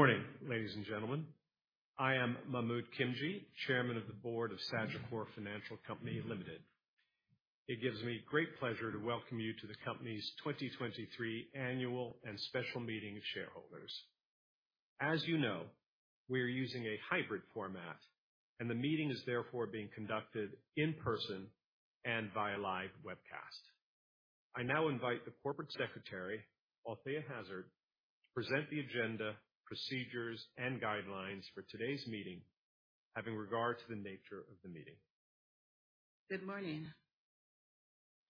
Morning, ladies and gentlemen. I am Mahmood Khimji, Chairman of the Board of Sagicor Financial Company Ltd. It gives me great pleasure to welcome you to the company's 2023 Annual and Special Meeting of Shareholders. As you know, we are using a hybrid format, and the meeting is therefore being conducted in person and via live webcast. I now invite the Corporate Secretary, Althea Hazzard, to present the agenda, procedures, and guidelines for today's meeting, having regard to the nature of the meeting. Good morning.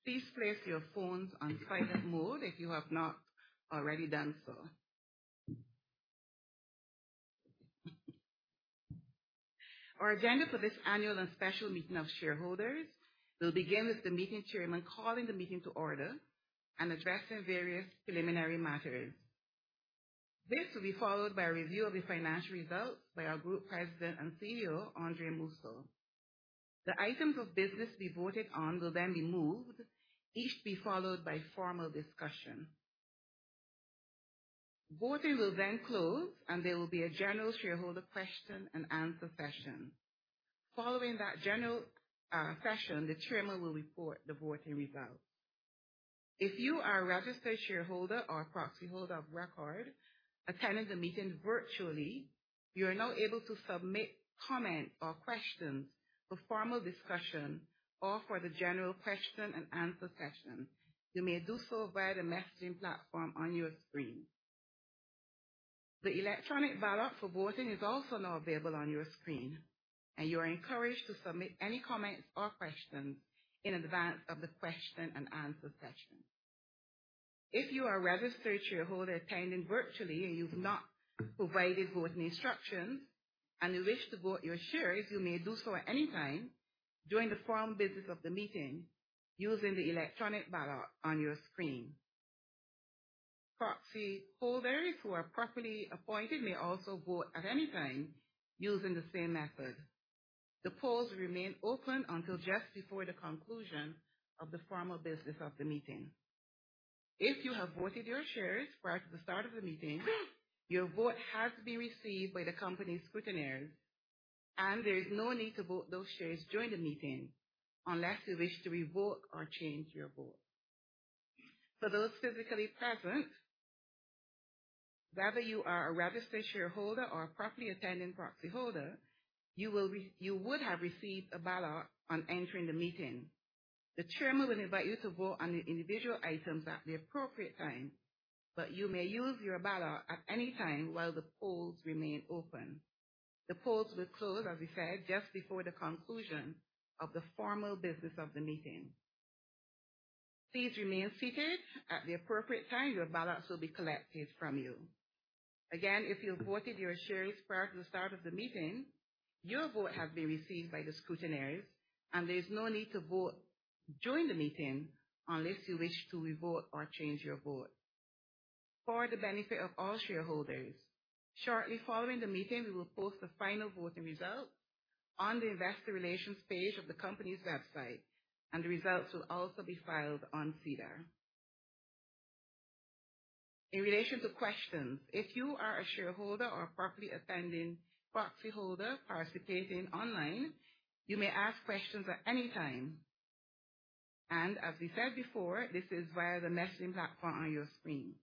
Please place your phones on silent mode if you have not already done so. Our agenda for this annual and special meeting of shareholders will begin with the meeting chairman calling the meeting to order and addressing various preliminary matters. This will be followed by a review of the financial results by our Group President and CEO, Andre Mousseau. The items of business to be voted on will then be moved, each to be followed by formal discussion. Voting will then close, and there will be a general shareholder question and answer session. Following that general session, the chairman will report the voting results. If you are a registered shareholder or a proxyholder of record attending the meeting virtually, you are now able to submit comments or questions for formal discussion or for the general question and answer session. You may do so via the messaging platform on your screen. The electronic ballot for voting is also now available on your screen. You are encouraged to submit any comments or questions in advance of the question and answer session. If you are a registered shareholder attending virtually, you've not provided voting instructions and you wish to vote your shares, you may do so at any time during the forum business of the meeting using the electronic ballot on your screen. Proxyholders who are properly appointed may also vote at any time using the same method. The polls remain open until just before the conclusion of the formal business of the meeting. If you have voted your shares prior to the start of the meeting, your vote has been received by the company scrutineers, and there is no need to vote those shares during the meeting unless you wish to revoke or change your vote. For those physically present, whether you are a registered shareholder or a properly attending proxyholder, you would have received a ballot on entering the meeting. The chairman will invite you to vote on the individual items at the appropriate time, but you may use your ballot at any time while the polls remain open. The polls will close, as we said, just before the conclusion of the formal business of the meeting. Please remain seated. At the appropriate time, your ballots will be collected from you. If you voted your shares prior to the start of the meeting, your vote has been received by the scrutineers, and there is no need to vote during the meeting unless you wish to revote or change your vote. For the benefit of all shareholders, shortly following the meeting, we will post the final voting results on the investor relations page of the company's website, and the results will also be filed on SEDAR. In relation to questions, if you are a shareholder or a properly attending proxyholder participating online, you may ask questions at any time, and as we said before, this is via the messaging platform on your screen.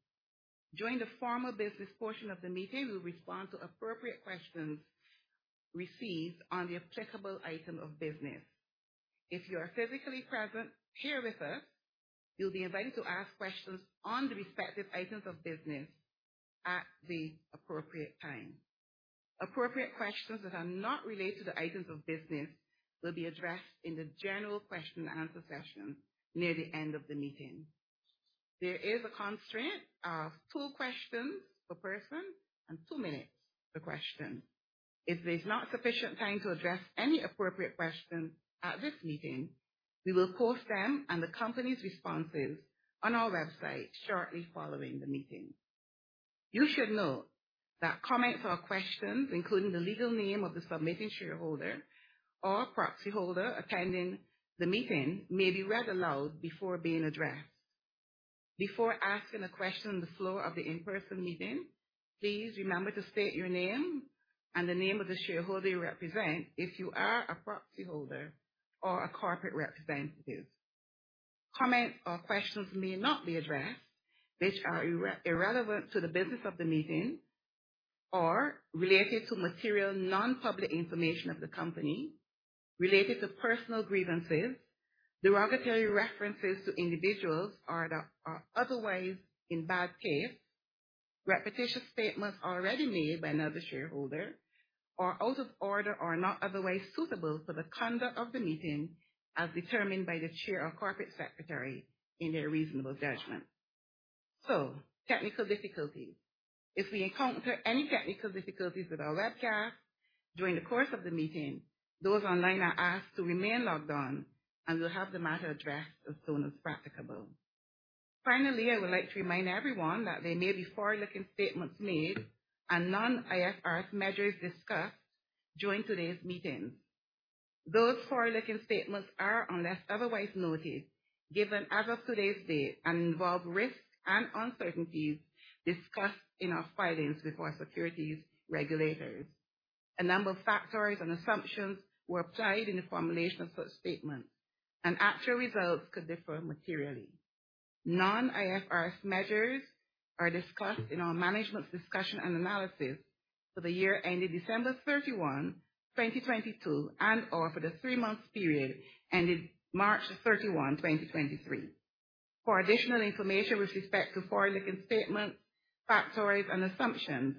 During the formal business portion of the meeting, we'll respond to appropriate questions received on the applicable item of business. If you are physically present here with us, you'll be invited to ask questions on the respective items of business at the appropriate time. Appropriate questions that are not related to the items of business will be addressed in the general question and answer session near the end of the meeting. There is a constraint of 2 questions per person and 2 minutes per question. If there's not sufficient time to address any appropriate questions at this meeting, we will post them and the company's responses on our website shortly following the meeting. You should note that comments or questions, including the legal name of the submitting shareholder or proxyholder attending the meeting, may be read aloud before being addressed. Before asking a question on the floor of the in-person meeting, please remember to state your name and the name of the shareholder you represent if you are a proxyholder or a corporate representative. Comments or questions may not be addressed, which are irrelevant to the business of the meeting or related to material non-public information of the company, related to personal grievances, derogatory references to individuals, or that are otherwise in bad taste, repetitious statements already made by another shareholder, or out of order or not otherwise suitable for the conduct of the meeting as determined by the chair or corporate secretary in their reasonable judgment. Technical difficulties. If we encounter any technical difficulties with our webcast during the course of the meeting, those online are asked to remain logged on, and we'll have the matter addressed as soon as practicable. Finally, I would like to remind everyone that there may be forward-looking statements made and non-IFRS measures discussed during today's meeting. Those forward-looking statements are, unless otherwise noted, given as of today's date and involve risks and uncertainties discussed in our filings with our securities regulators. A number of factors and assumptions were applied in the formulation of such statements, actual results could differ materially. Non-IFRS measures are discussed in our management's discussion and analysis for the year ending December 31, 2022, and or for the 3-month period ending March 31, 2023. For additional information with respect to forward-looking statements, factors and assumptions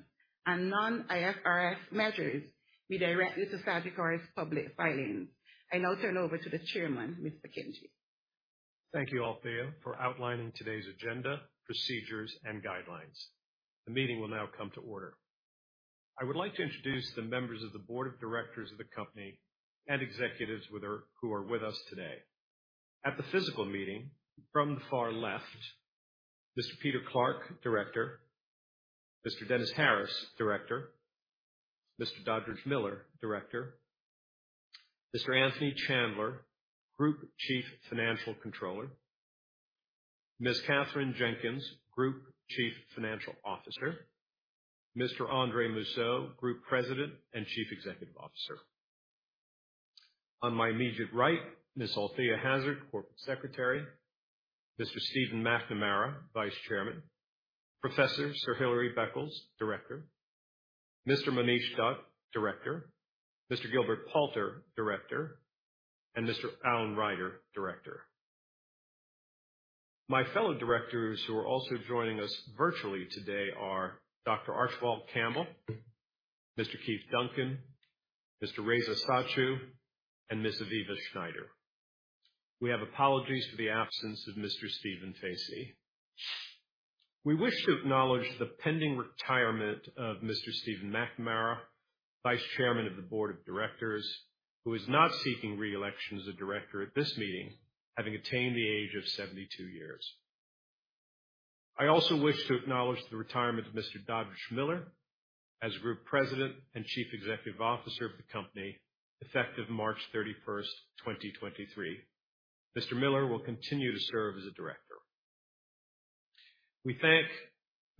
and non-IFRS measures, be directly to SEDAR+'s public filings. I now turn over to the Chairman, Mr. Khimji. Thank you, Althea, for outlining today's agenda, procedures, and guidelines. The meeting will now come to order. I would like to introduce the members of the board of directors of the company and executives with her, who are with us today. At the physical meeting from the far left, Mr. Peter Clarke, Director, Mr. Dennis Harris, Director, Mr. Dodridge Miller, Director, Mr. Anthony Chandler, Group Chief Financial Controller, Ms. Kathryn Jenkins, Group Chief Financial Officer, Mr. Andre Mousseau, Group President and Chief Executive Officer. On my immediate right, Ms. Althea Hazzard, Corporate Secretary, Mr. Stephen McNamara, Vice Chairman, Professor Sir Hilary Beckles, Director, Mr. Monish Dutt, Director, Mr. Gilbert Palter, Director, and Mr. Alan Ryder, Director. My fellow directors who are also joining us virtually today are Dr. Archibald Campbell, Mr. Keith Duncan, Mr. Reza Satchu, and Ms. Aviva Shneider. We have apologies for the absence of Mr. Stephen Facey. We wish to acknowledge the pending retirement of Mr. Stephen McNamara, Vice Chairman of the board of directors, who is not seeking re-election as a director at this meeting, having attained the age of 72 years. I also wish to acknowledge the retirement of Mr. Dodridge Miller as Group President and Chief Executive Officer of the company, effective March 31, 2023. Mr. Miller will continue to serve as a director. We thank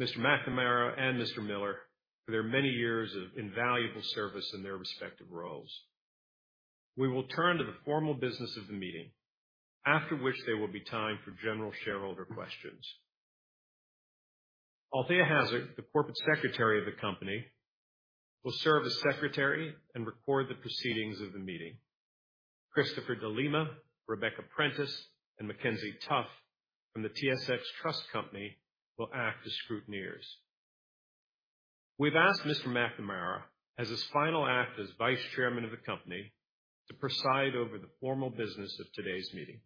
Mr. McNamara and Mr. Miller for their many years of invaluable service in their respective roles. We will turn to the formal business of the meeting, after which there will be time for general shareholder questions. Althea Hazzard, the Corporate Secretary of the company, will serve as secretary and record the proceedings of the meeting. Christopher DeLima, Rebecca Prentice, and Mackenzie Tough from the TSX Trust Company, will act as scrutineers. We've asked Mr. McNamara, as his final act as Vice Chairman of the company, to preside over the formal business of today's meeting.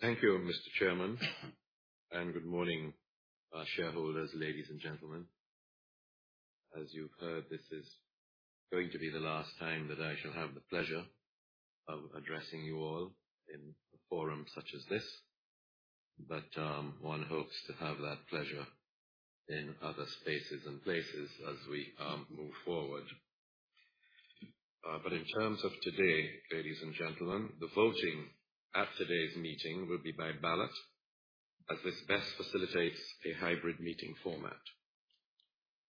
Thank you, Mr. Chairman, good morning, shareholders, ladies and gentlemen. As you've heard, this is going to be the last time that I shall have the pleasure of addressing you all in a forum such as this, but one hopes to have that pleasure in other spaces and places as we move forward. In terms of today, ladies and gentlemen, the voting at today's meeting will be by ballot, as this best facilitates a hybrid meeting format.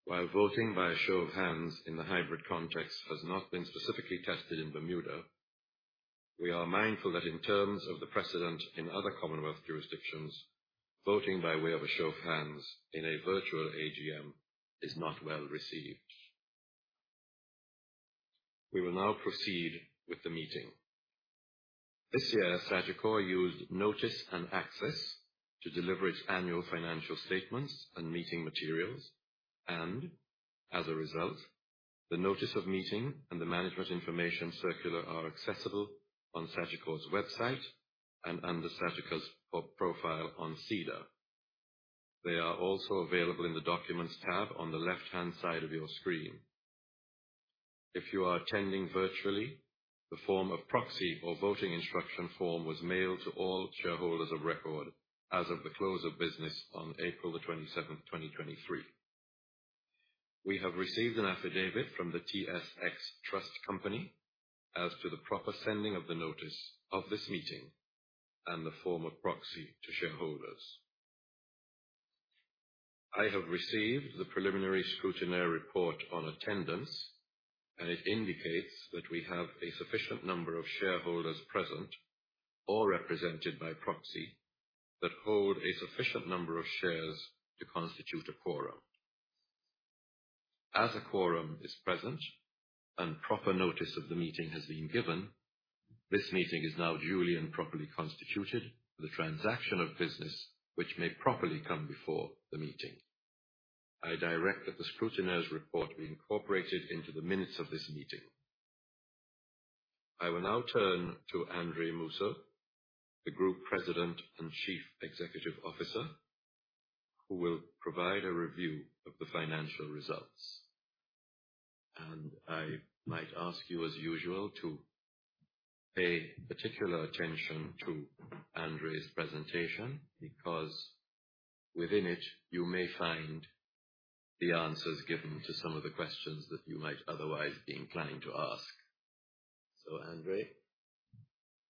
While voting by a show of hands in the hybrid context has not been specifically tested in Bermuda, we are mindful that in terms of the precedent in other Commonwealth jurisdictions, voting by way of a show of hands in a virtual AGM is not well received. We will now proceed with the meeting. This year, SEDAR+ used notice and access to deliver its annual financial statements and meeting materials, as a result, the notice of meeting and the management information circular are accessible on SEDAR+'s website and under SEDAR+'s profile on SEDAR+. They are also available in the documents tab on the left-hand side of your screen. If you are attending virtually, the form of proxy or voting instruction form was mailed to all shareholders of record as of the close of business on April the 27th, 2023. We have received an affidavit from the TSX Trust Company as to the proper sending of the notice of this meeting and the form of proxy to shareholders. I have received the preliminary scrutineer report on attendance, and it indicates that we have a sufficient number of shareholders present or represented by proxy, that hold a sufficient number of shares to constitute a quorum. As a quorum is present and proper notice of the meeting has been given, this meeting is now duly and properly constituted for the transaction of business which may properly come before the meeting. I direct that the scrutineer's report be incorporated into the minutes of this meeting. I will now turn to Andre Mousseau, the Group President and Chief Executive Officer, who will provide a review of the financial results. I might ask you as usual, to pay particular attention to Andre's presentation, because within it, you may find the answers given to some of the questions that you might otherwise been planning to ask. Andre,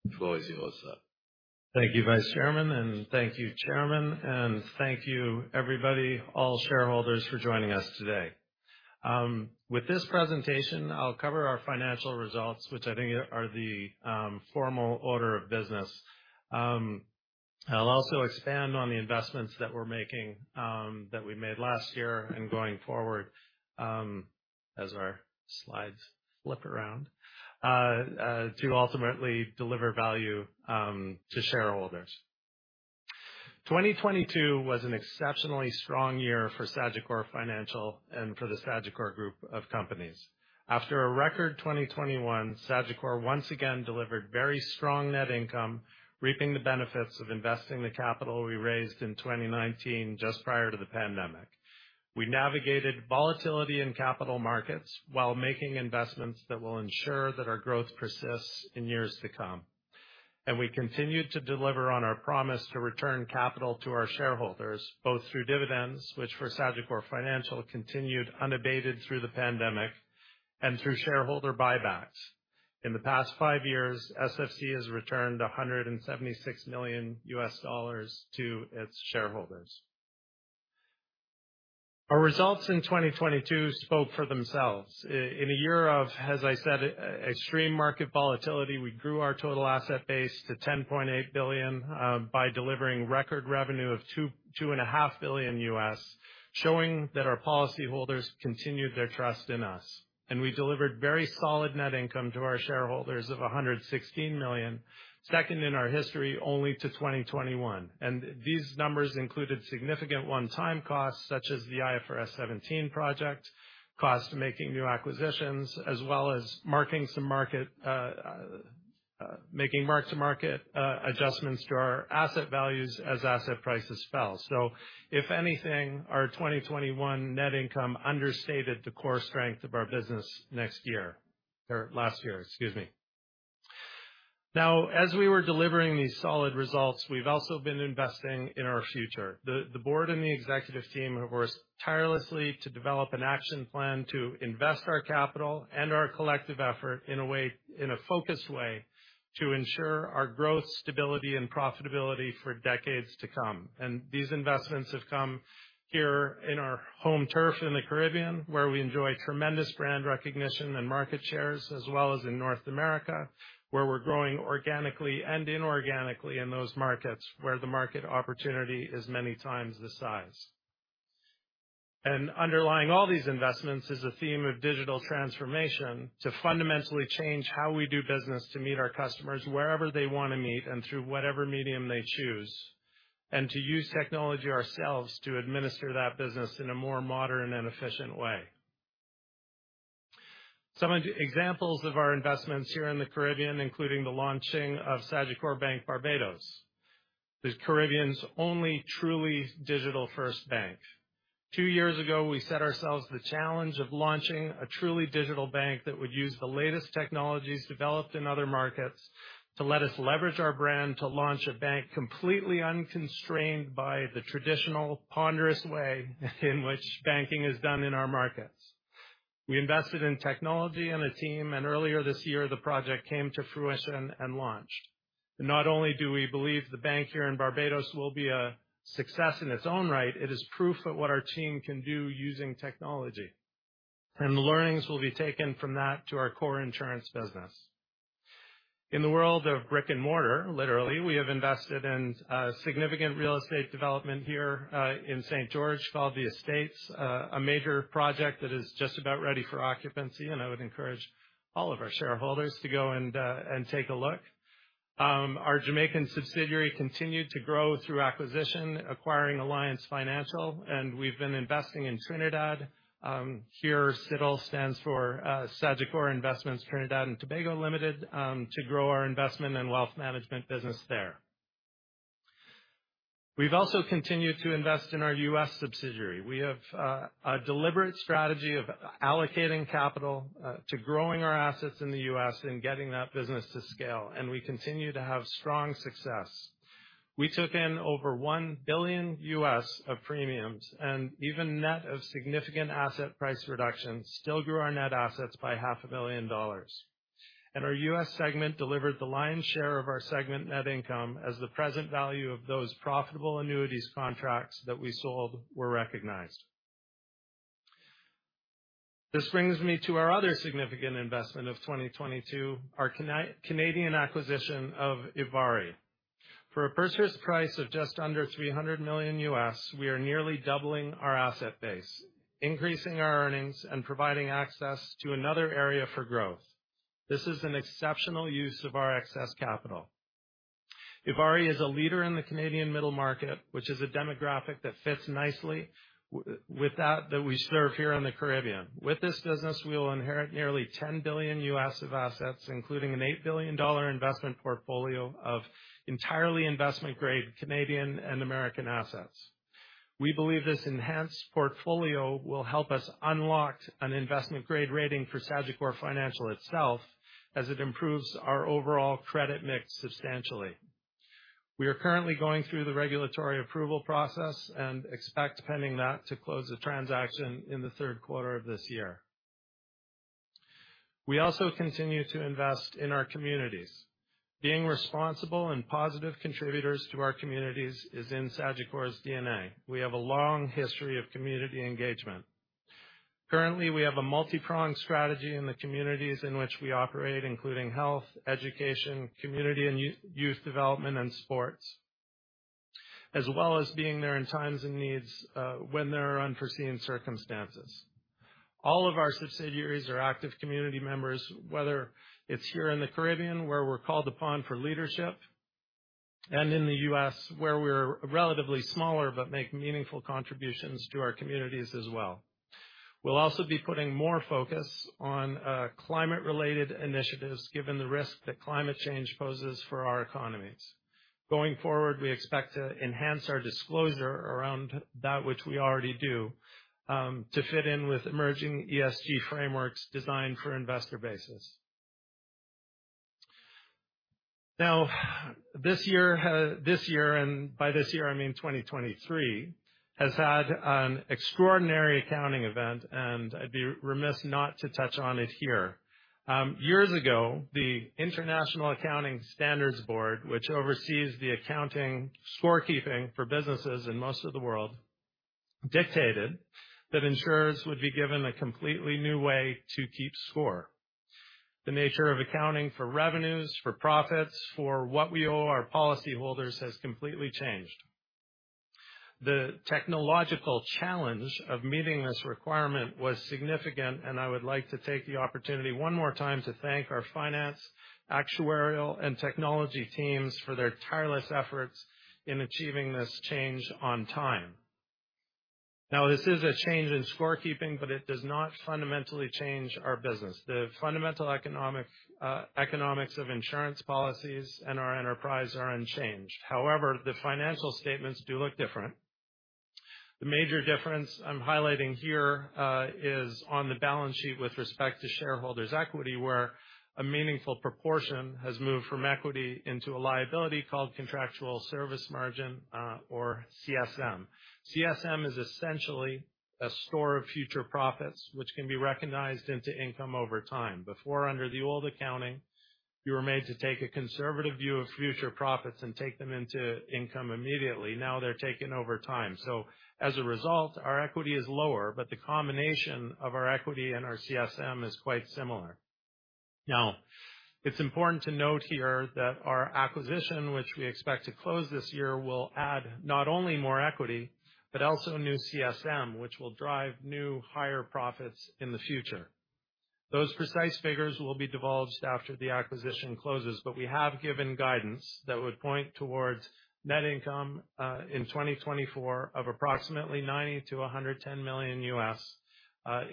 the floor is yours, sir. Thank you, Vice Chairman, and thank you, Chairman, and thank you everybody, all shareholders for joining us today. With this presentation, I'll cover our financial results, which I think are the formal order of business. I'll also expand on the investments that we're making, that we made last year and going forward, as our slides flip around, to ultimately deliver value to shareholders. 2022 was an exceptionally strong year for Sagicor Financial and for the Sagicor group of companies. After a record 2021, Sagicor once again delivered very strong net income, reaping the benefits of investing the capital we raised in 2019 just prior to the pandemic. We navigated volatility in capital markets while making investments that will ensure that our growth persists in years to come. We continued to deliver on our promise to return capital to our shareholders, both through dividends, which for Sagicor Financial, continued unabated through the pandemic and through shareholder buybacks. In the past five years, SFC has returned $176 million to its shareholders. Our results in 2022 spoke for themselves. In a year of, as I said, extreme market volatility, we grew our total asset base to $10.8 billion by delivering record revenue of two and a half billion US, showing that our policyholders continued their trust in us. We delivered very solid net income to our shareholders of $116 million, second in our history, only to 2021, and these numbers included significant one-time costs, such as the IFRS 17 project, cost of making new acquisitions, as well as making mark-to-market adjustments to our asset values as asset prices fell. If anything, our 2021 net income understated the core strength of our business next year or last year, excuse me. Now, as we were delivering these solid results, we've also been investing in our future. The board and the executive team have worked tirelessly to develop an action plan to invest our capital and our collective effort in a focused way, to ensure our growth, stability, and profitability for decades to come. These investments have come here in our home turf in the Caribbean, where we enjoy tremendous brand recognition and market shares, as well as in North America, where we're growing organically and inorganically in those markets, where the market opportunity is many times the size. Underlying all these investments is a theme of digital transformation to fundamentally change how we do business, to meet our customers wherever they want to meet and through whatever medium they choose, and to use technology ourselves to administer that business in a more modern and efficient way. Some examples of our investments here in the Caribbean, including the launching of Sagicor Bank (Barbados), the Caribbean's only truly digital-first bank. Two years ago, we set ourselves the challenge of launching a truly digital bank that would use the latest technologies developed in other markets to let us leverage our brand to launch a bank completely unconstrained by the traditional ponderous way in which banking is done in our markets. We invested in technology and a team. Earlier this year, the project came to fruition and launched. Not only do we believe the bank here in Barbados will be a success in its own right, it is proof of what our team can do using technology. The learnings will be taken from that to our core insurance business. In the world of brick-and-mortar, literally, we have invested in significant real estate development here in St. George, called The Estates at St. George, Barbados a major project that is just about ready for occupancy, and I would encourage all of our shareholders to go and take a look. Our Jamaican subsidiary continued to grow through acquisition, acquiring Alliance Financial Services Limited, and we've been investing in Trinidad. Here, SITTL stands for Sagicor Investments Trinidad & Tobago Limited, to grow our investment and wealth management business there. We've also continued to invest in our U.S. subsidiary. We have a deliberate strategy of allocating capital to growing our assets in the U.S. and getting that business to scale, and we continue to have strong success. We took in over $1 billion of premiums, and even net of significant asset price reductions, still grew our net assets by half a million dollars. Our U.S. segment delivered the lion's share of our segment net income, as the present value of those profitable annuities contracts that we sold were recognized. This brings me to our other significant investment of 2022, our Canadian acquisition of ivari. For a purchase price of just under $300 million, we are nearly doubling our asset base, increasing our earnings, and providing access to another area for growth. This is an exceptional use of our excess capital. ivari is a leader in the Canadian middle market, which is a demographic that fits nicely with that we serve here in the Caribbean. With this business, we will inherit nearly $10 billion of assets, including an $8 billion investment portfolio of entirely investment-grade Canadian and American assets. We believe this enhanced portfolio will help us unlock an investment-grade rating for Sagicor Financial itself as it improves our overall credit mix substantially. We are currently going through the regulatory approval process and expect, pending that, to close the transaction in the third quarter of this year. We also continue to invest in our communities. Being responsible and positive contributors to our communities is in Sagicor's DNA. We have a long history of community engagement. Currently, we have a multi-pronged strategy in the communities in which we operate, including health, education, community and youth development, and sports, as well as being there in times of needs when there are unforeseen circumstances. All of our subsidiaries are active community members, whether it's here in the Caribbean, where we're called upon for leadership, and in the US, where we're relatively smaller, but make meaningful contributions to our communities as well. We'll also be putting more focus on climate-related initiatives, given the risk that climate change poses for our economies. Going forward, we expect to enhance our disclosure around that which we already do to fit in with emerging ESG frameworks designed for investor bases. This year, and by this year, I mean 2023, has had an extraordinary accounting event, and I'd be remiss not to touch on it here. Years ago, the International Accounting Standards Board, which oversees the accounting scorekeeping for businesses in most of the world, dictated that insurers would be given a completely new way to keep score. The nature of accounting for revenues, for profits, for what we owe our policyholders has completely changed. The technological challenge of meeting this requirement was significant, and I would like to take the opportunity one more time to thank our finance, actuarial, and technology teams for their tireless efforts in achieving this change on time. This is a change in scorekeeping, but it does not fundamentally change our business. The fundamental economic economics of insurance policies and our enterprise are unchanged. The financial statements do look different. The major difference I'm highlighting here is on the balance sheet with respect to shareholders' equity, where a meaningful proportion has moved from equity into a liability called contractual service margin or CSM. CSM is essentially a store of future profits, which can be recognized into income over time. Before, under the old accounting, you were made to take a conservative view of future profits and take them into income immediately. Now they're taken over time. As a result, our equity is lower, but the combination of our equity and our CSM is quite similar. It's important to note here that our acquisition, which we expect to close this year, will add not only more equity, but also new CSM, which will drive new, higher profits in the future. Those precise figures will be divulged after the acquisition closes, but we have given guidance that would point towards net income in 2024 of approximately $90 million-$110 million,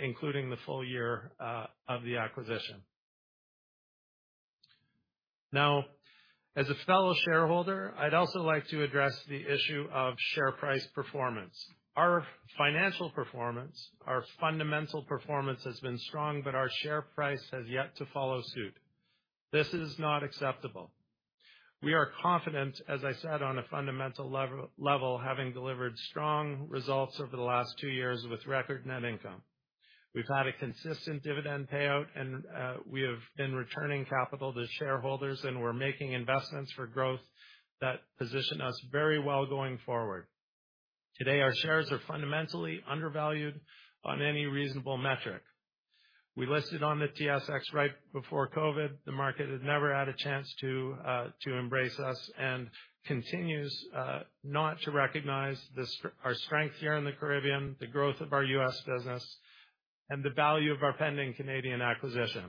including the full year of the acquisition. As a fellow shareholder, I'd also like to address the issue of share price performance. Our financial performance, our fundamental performance, has been strong, but our share price has yet to follow suit. This is not acceptable. We are confident, as I said, on a fundamental level, having delivered strong results over the last two years with record net income. We've had a consistent dividend payout, and we have been returning capital to shareholders, and we're making investments for growth that position us very well going forward. Today, our shares are fundamentally undervalued on any reasonable metric. We listed on the TSX right before COVID. The market has never had a chance to embrace us and continues not to recognize our strength here in the Caribbean, the growth of our U.S. business, and the value of our pending Canadian acquisition.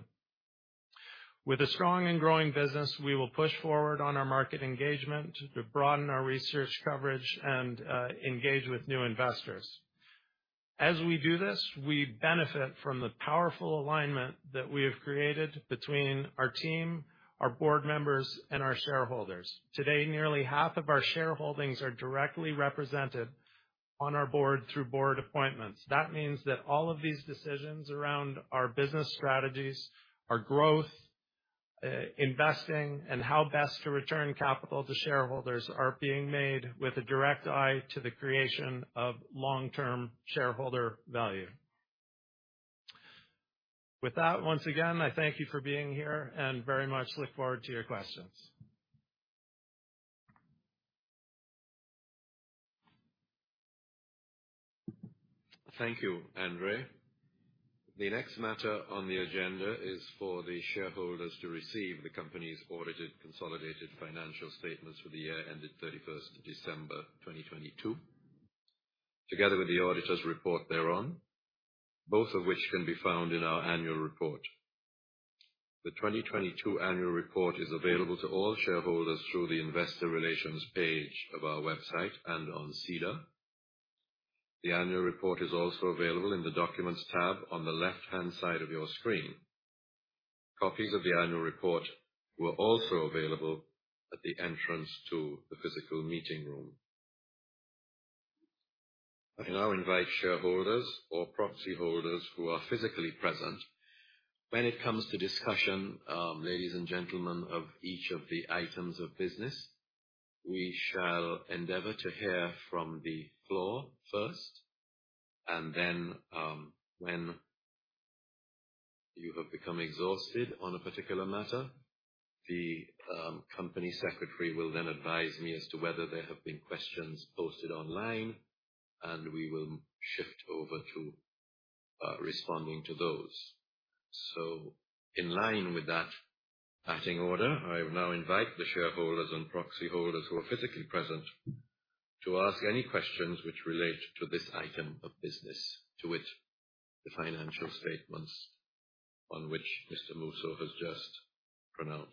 With a strong and growing business, we will push forward on our market engagement to broaden our research coverage and engage with new investors. As we do this, we benefit from the powerful alignment that we have created between our team, our board members, and our shareholders. Today, nearly half of our shareholdings are directly represented on our board through board appointments. That means that all of these decisions around our business strategies, our growth, investing, and how best to return capital to shareholders, are being made with a direct eye to the creation of long-term shareholder value. With that, once again, I thank you for being here, and very much look forward to your questions. Thank you, Andre. The next matter on the agenda is for the shareholders to receive the company's audited consolidated financial statements for the year ended 31st of December, 2022, together with the auditor's report thereon, both of which can be found in our annual report. The 2022 annual report is available to all shareholders through the investor relations page of our website and on SEDAR+. The annual report is also available in the Documents tab on the left-hand side of your screen. Copies of the annual report were also available at the entrance to the physical meeting room. I now invite shareholders or proxy holders who are physically present. When it comes to discussion, ladies and gentlemen, of each of the items of business, we shall endeavor to hear from the floor first, and then, when you have become exhausted on a particular matter, the Company Secretary will then advise me as to whether there have been questions posted online, and we will shift over to responding to those. In line with that batting order, I would now invite the shareholders and proxy holders who are physically present to ask any questions which relate to this item of business, to which the financial statements on which Mr. Mousseau has just pronounced.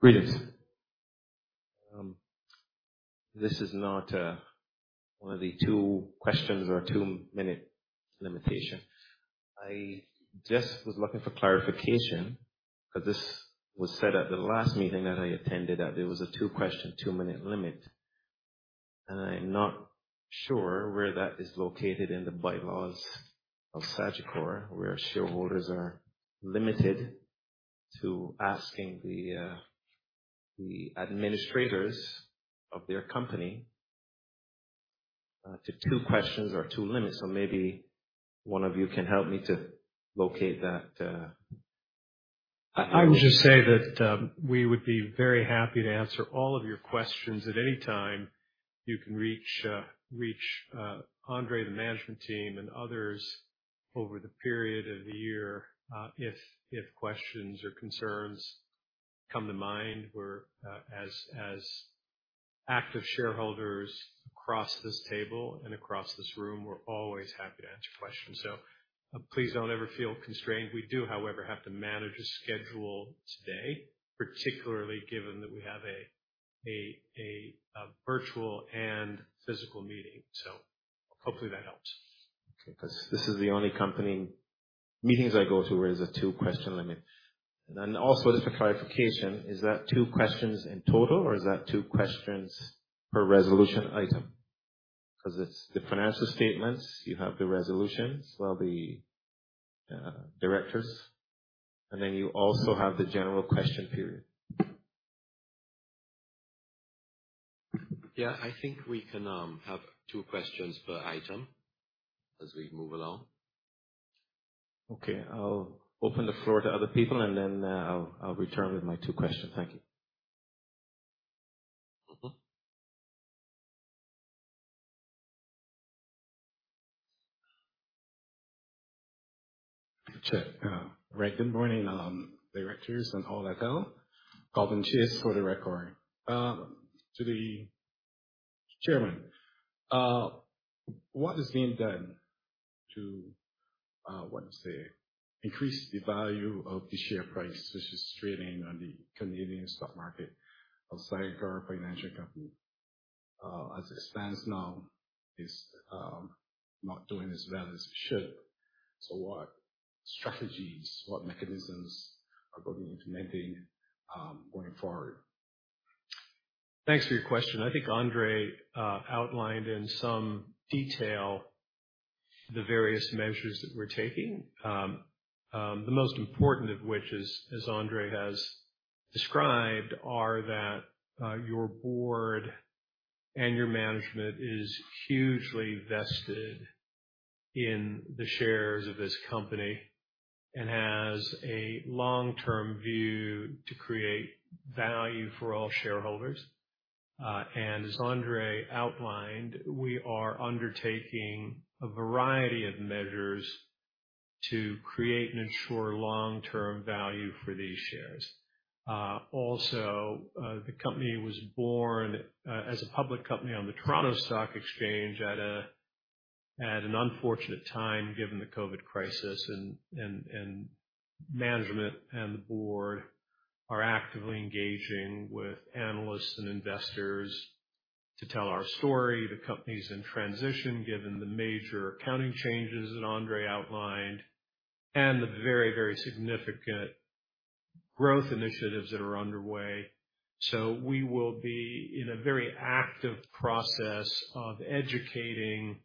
Greetings. This is not one of the 2 questions or 2-minute limitation. I just was looking for clarification, because this was said at the last meeting that I attended, that there was a 2-question, 2-minute limit. I'm not sure where that is located in the bylaws of Sagicor, where shareholders are limited to asking the administrators of their company to 2 questions or 2 limits. Maybe one of you can help me to locate that. I would just say that we would be very happy to answer all of your questions at any time. You can reach Andre, the management team, and others over the period of the year if questions or concerns come to mind. We're as active shareholders across this table and across this room, we're always happy to answer questions. Please don't ever feel constrained. We do, however, have to manage a schedule today, particularly given that we have a virtual and physical meeting. Hopefully that helps. Okay, 'cause this is the only company meetings I go to, where there's a 2-question limit. Also just for clarification, is that 2 questions in total, or is that 2 questions per resolution item? It's the financial statements, you have the resolutions of the directors, and then you also have the general question period. Yeah, I think we can, have two questions per item as we move along. Okay, I'll open the floor to other people, and then, I'll return with my two questions. Thank you. Check. Right. Good morning, directors and all I tell. Calvin Cheers for the record. To the chairman, what is being done to, what you say, increase the value of the share price, which is trading on the Canadian stock market of Sagicor Financial Company? As it stands now, it's not doing as well as it should. What strategies, what mechanisms are going to be implementing going forward? Thanks for your question. I think Andre outlined in some detail the various measures that we're taking. The most important of which is, as Andre has described, are that, your board and your management is hugely vested in the shares of this company and has a long-term view to create value for all shareholders. As Andre outlined, we are undertaking a variety of measures to create and ensure long-term value for these shares. Also, the company was born, as a public company on the Toronto Stock Exchange at a, at an unfortunate time, given the COVID crisis, and, and management and the board are actively engaging with analysts and investors to tell our story. The company's in transition, given the major accounting changes that Andre outlined and the very, very significant growth initiatives that are underway. We will be in a very active process of educating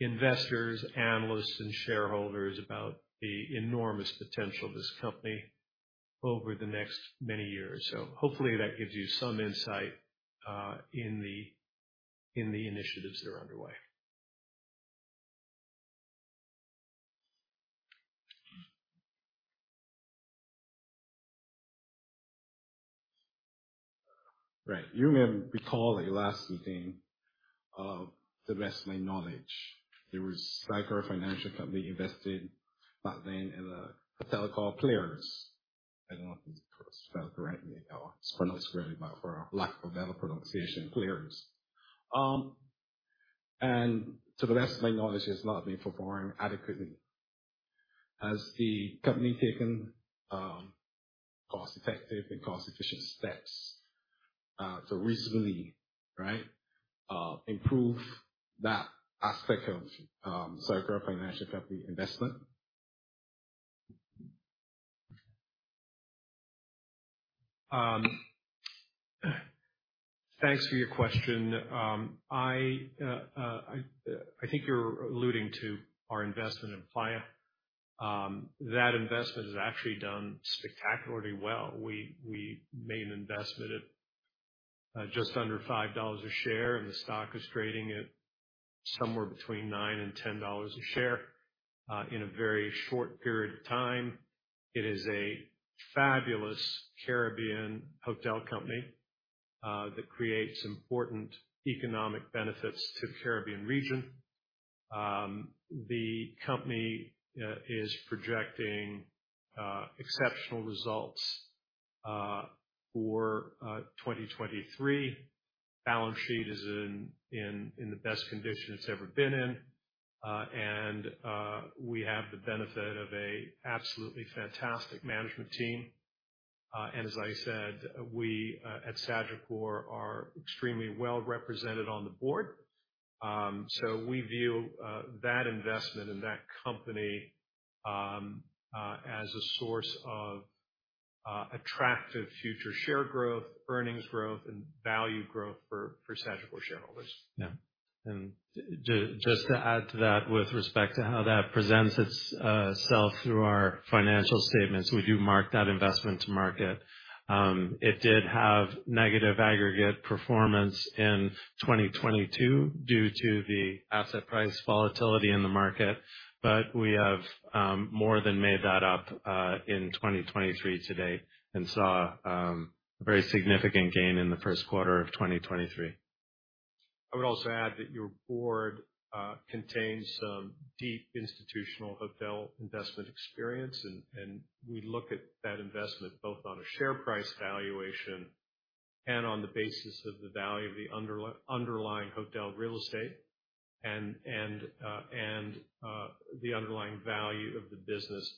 investors, analysts, and shareholders about the enormous potential of this company over the next many years. Hopefully that gives you some insight in the, in the initiatives that are underway. Right. You may recall at your last meeting, to the best of my knowledge, there was Sagicor Financial Company invested back then in the Playa Hotels & Resorts. I don't know if it's spelled correctly or pronounced correctly, but for lack of a better pronunciation, Playa. To the best of my knowledge, it has not been performing adequately. Has the company taken, cost-effective and cost-efficient steps, to reasonably, right, improve that aspect of Sagicor Financial Company investment? Thanks for your question. I think you're alluding to our investment in Playa. That investment has actually done spectacularly well. We made an investment at just under $5 a share, and the stock is trading at somewhere between $9 and $10 a share in a very short period of time. It is a fabulous Caribbean hotel company that creates important economic benefits to the Caribbean region. The company is projecting exceptional results for 2023. Balance sheet is in the best condition it's ever been in. We have the benefit of a absolutely fantastic management team. As I said, we at Sagicor are extremely well represented on the board. We view that investment in that company as a source of attractive future share growth, earnings growth, and value growth for Sagicor shareholders. Yeah. Just to add to that, with respect to how that presents itself through our financial statements, we do mark that investment to market. It did have negative aggregate performance in 2022 due to the asset price volatility in the market, we have more than made that up in 2023 to date and saw a very significant gain in the first quarter of 2023. I would also add that your board contains some deep institutional hotel investment experience, and we look at that investment both on a share price valuation and on the basis of the value of the underlying hotel real estate and the underlying value of the business.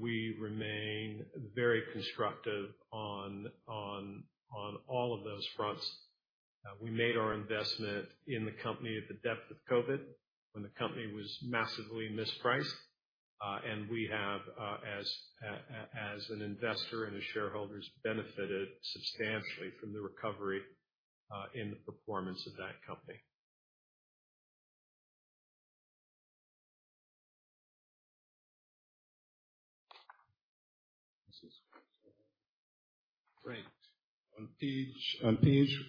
We remain very constructive on all of those fronts. We made our investment in the company at the depth of COVID, when the company was massively mispriced. We have as an investor and as shareholders, benefited substantially from the recovery in the performance of that com.pany. This is great. On page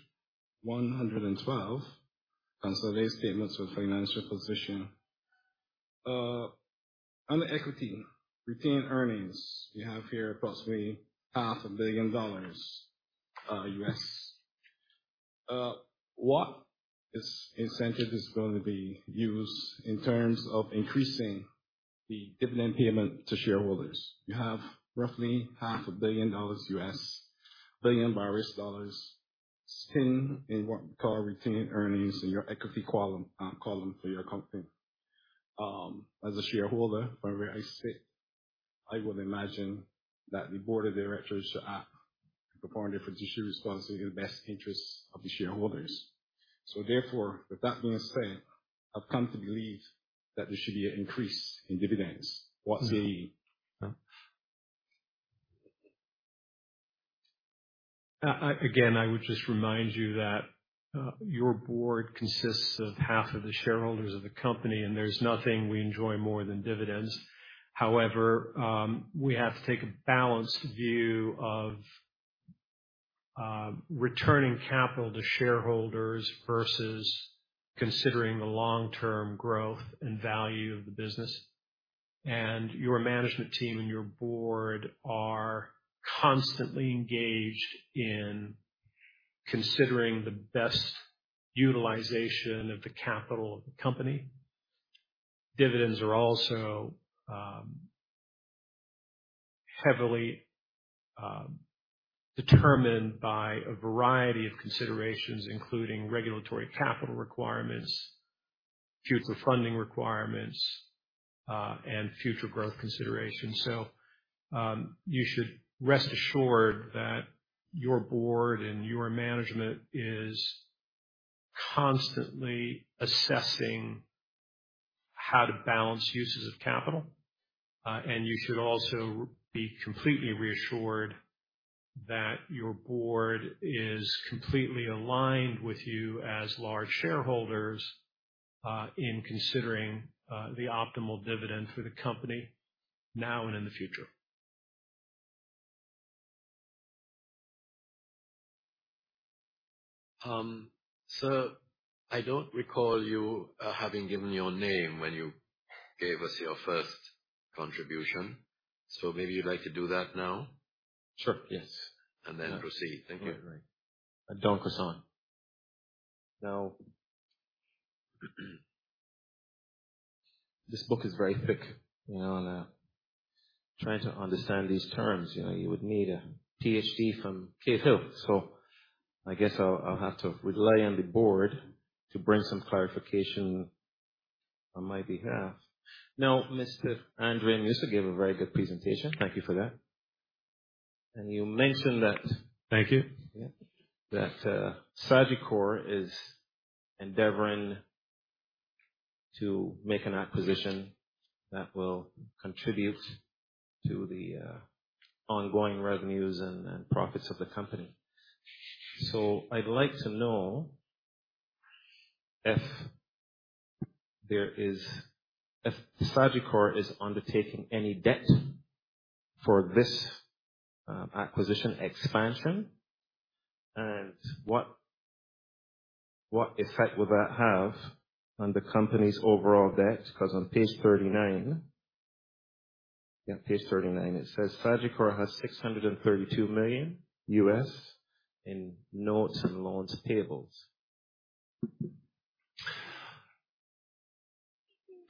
112, Consolidated Statements of Financial Position. Under Equity, Retained Earnings, you have here approximately half a billion dollars U.S. What is incentive going to be used in terms of increasing the dividend payment to shareholders? You have roughly half a billion dollars US sitting in what we call Retained Earnings in your Equity column for your company. As a shareholder, wherever I sit, I would imagine that the Board of Directors should act to perform their fiduciary responsibility in the best interests of the shareholders. Therefore, with that being said, I've come to believe that there should be an increase in dividends. Again, I would just remind you that your board consists of half of the shareholders of the company, and there's nothing we enjoy more than dividends. However, we have to take a balanced view of returning capital to shareholders versus considering the long-term growth and value of the business. Your management team and your board are constantly engaged in considering the best utilization of the capital of the company. Dividends are also heavily determined by a variety of considerations, including regulatory capital requirements, future funding requirements, and future growth considerations. You should rest assured that your board and your management is constantly assessing how to balance uses of capital, and you should also be completely reassured that your board is completely aligned with you as large shareholders, in considering, the optimal dividend for the company now and in the future. Sir, I don't recall you having given your name when you gave us your first contribution, maybe you'd like to do that now? Sure, yes. Proceed. Thank you. Don Cassan. This book is very thick, you know, and trying to understand these terms, you know, you would need a PhD from Cave Hill. I guess I'll have to rely on the board to bring some clarification on my behalf. Mr. Andre Mousseau gave a very good presentation. Thank you for that. You mentioned that- Thank you. That Sagicor is endeavoring to make an acquisition that will contribute to the ongoing revenues and profits of the company. I'd like to know if Sagicor is undertaking any debt for this acquisition expansion, and what effect will that have on the company's overall debt? On page 39, it says Sagicor has $632 million in notes and loans payables.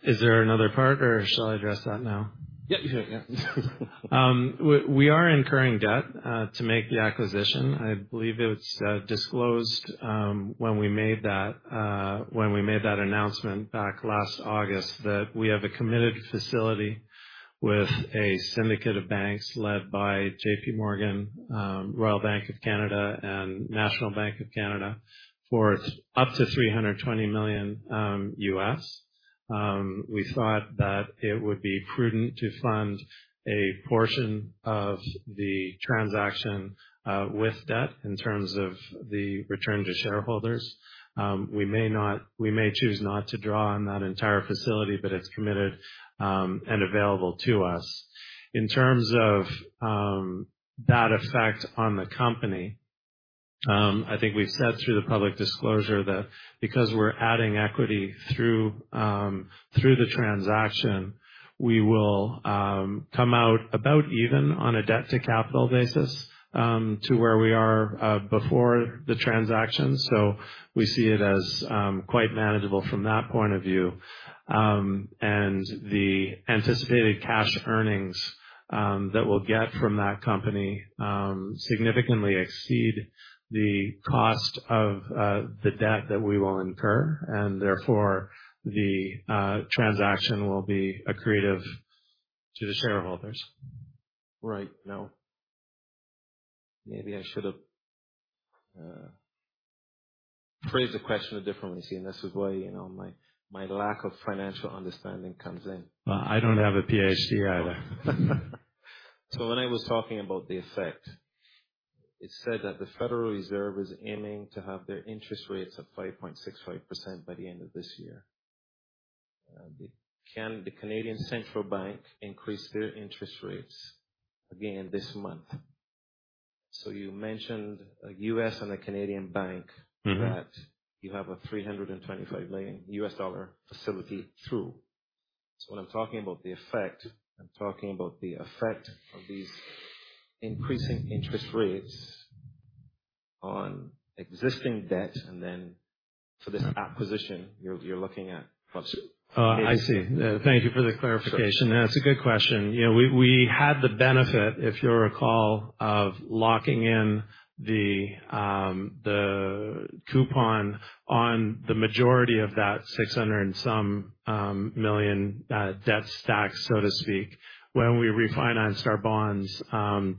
Is there another part, or shall I address that now? Yeah, yeah. We are incurring debt to make the acquisition. I believe it was disclosed when we made that announcement back last August, that we have a committed facility with a syndicate of banks led by JPMorgan, Royal Bank of Canada, and National Bank of Canada for up to $320 million U.S. We thought that it would be prudent to fund a portion of the transaction with debt in terms of the return to shareholders. We may choose not to draw on that entire facility, but it's committed and available to us. In terms of that effect on the company, I think we've said through the public disclosure that because we're adding equity through through the transaction, we will come out about even on a debt-to-capital basis to where we are before the transaction. We see it as quite manageable from that point of view. The anticipated cash earnings that we'll get from that company significantly exceed the cost of the debt that we will incur, and therefore, the transaction will be accretive to the shareholders. Right. Maybe I should have phrased the question differently. This is why, you know, my lack of financial understanding comes in. I don't have a PhD either. When I was talking about the effect, it's said that the Federal Reserve is aiming to have their interest rates at 5.65% by the end of this year. The Bank of Canada increased their interest rates again this month. You mentioned a U.S. and a Canadian bank. that you have a $325 million facility through. When I'm talking about the effect, I'm talking about the effect of these increasing interest rates on existing debt, then for this acquisition, you're looking at possibly. I see. Thank you for the clarification. Sure. That's a good question. You know, we had the benefit, if you'll recall, of locking in the coupon on the majority of that $600 and some million debt stack, so to speak, when we refinanced our bonds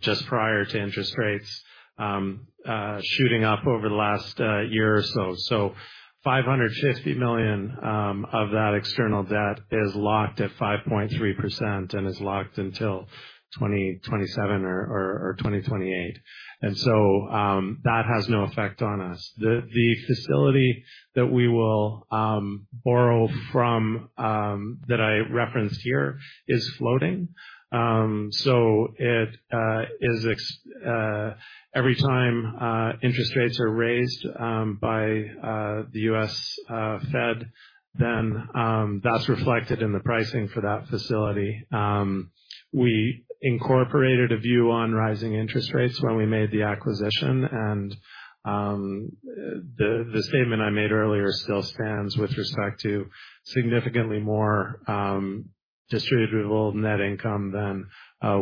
just prior to interest rates shooting up over the last year or so. $550 million of that external debt is locked at 5.3% and is locked until 2027 or 2028. That has no effect on us. The facility that we will borrow from that I referenced here is floating. It every time interest rates are raised by the US Fed, then that's reflected in the pricing for that facility. We incorporated a view on rising interest rates when we made the acquisition, and the statement I made earlier still stands with respect to significantly more distributable net income than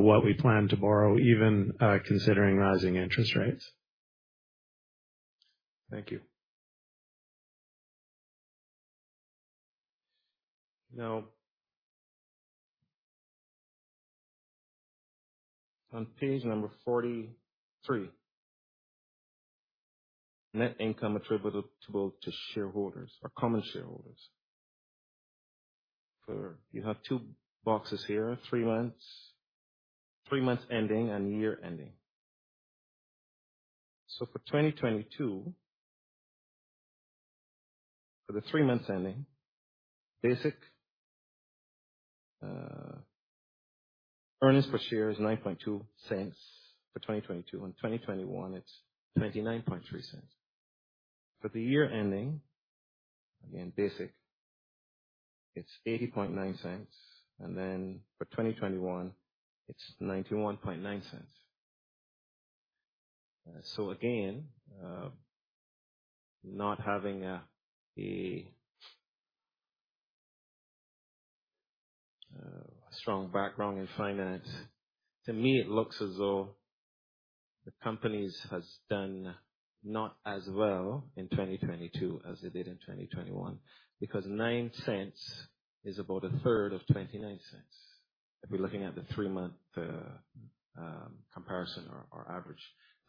what we plan to borrow, even considering rising interest rates. Thank you. Now, on page number 43, net income attributable to shareholders or common shareholders. You have two boxes here: 3 months ending and year ending. For 2022- For the 3 months ending, basic earnings per share is $0.092 for 2022, and 2021, it's $0.293. For the year ending, again, basic, it's $0.809, and then for 2021, it's $0.919. Again, not having a strong background in finance, to me, it looks as though the company's has done not as well in 2022 as it did in 2021, because $0.09 is about a third of $0.29. If we're looking at the 3-month comparison or average.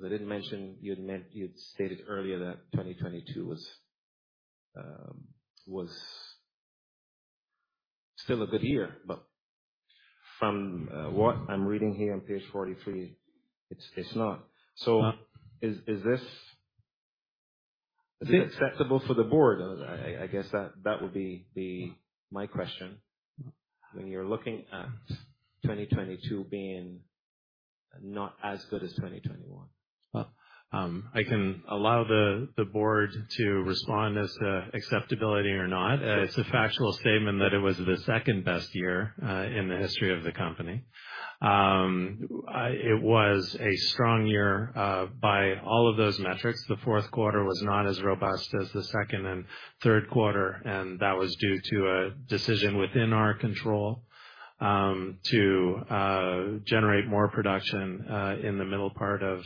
I didn't mention, you'd stated earlier that 2022 was still a good year, but from what I'm reading here on page 43, it's not. Is, is this, is it acceptable for the board? I guess that would be the... my question. When you're looking at 2022 being not as good as 2021. Well, I can allow the board to respond as to acceptability or not. It's a factual statement that it was the second-best year in the history of the company. It was a strong year by all of those metrics. The fourth quarter was not as robust as the second and third quarter, and that was due to a decision within our control to generate more production in the middle part of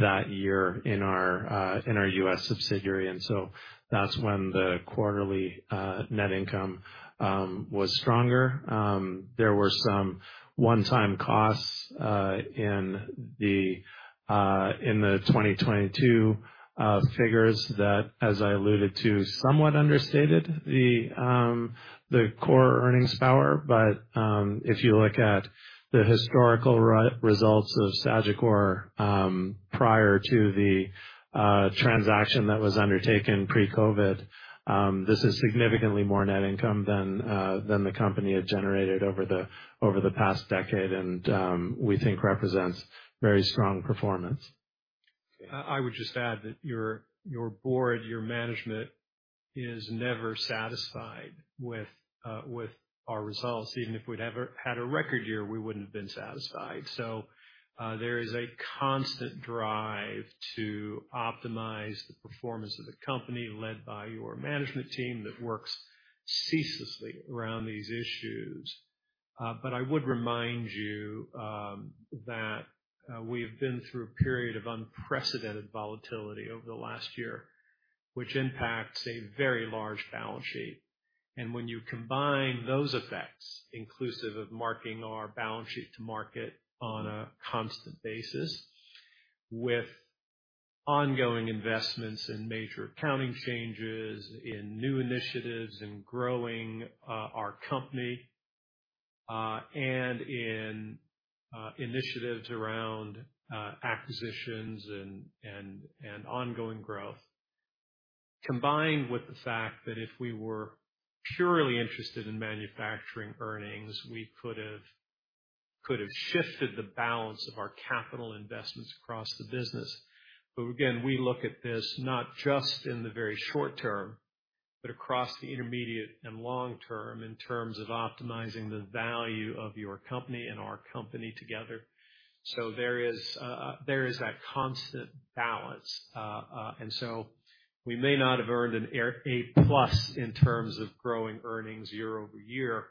that year in our US subsidiary. That's when the quarterly net income was stronger. There were some one-time costs in the 2022 figures that, as I alluded to, somewhat understated the core earnings power. If you look at the historical results of Sagicor, prior to the transaction that was undertaken pre-COVID, this is significantly more net income than the company had generated over the past decade, and we think represents very strong performance. I would just add that your board, your management, is never satisfied with our results. Even if we'd ever had a record year, we wouldn't have been satisfied. There is a constant drive to optimize the performance of the company, led by your management team that works ceaselessly around these issues. I would remind you that we've been through a period of unprecedented volatility over the last year, which impacts a very large balance sheet. When you combine those effects, inclusive of marking our balance sheet to market on a constant basis, with ongoing investments in major accounting changes, in new initiatives, in growing our company, and in initiatives around acquisitions and ongoing growth, combined with the fact that if we were purely interested in manufacturing earnings, we could have shifted the balance of our capital investments across the business. Again, we look at this not just in the very short term, but across the intermediate and long term in terms of optimizing the value of your company and our company together. There is that constant balance. We may not have earned an A plus in terms of growing earnings year-over-year,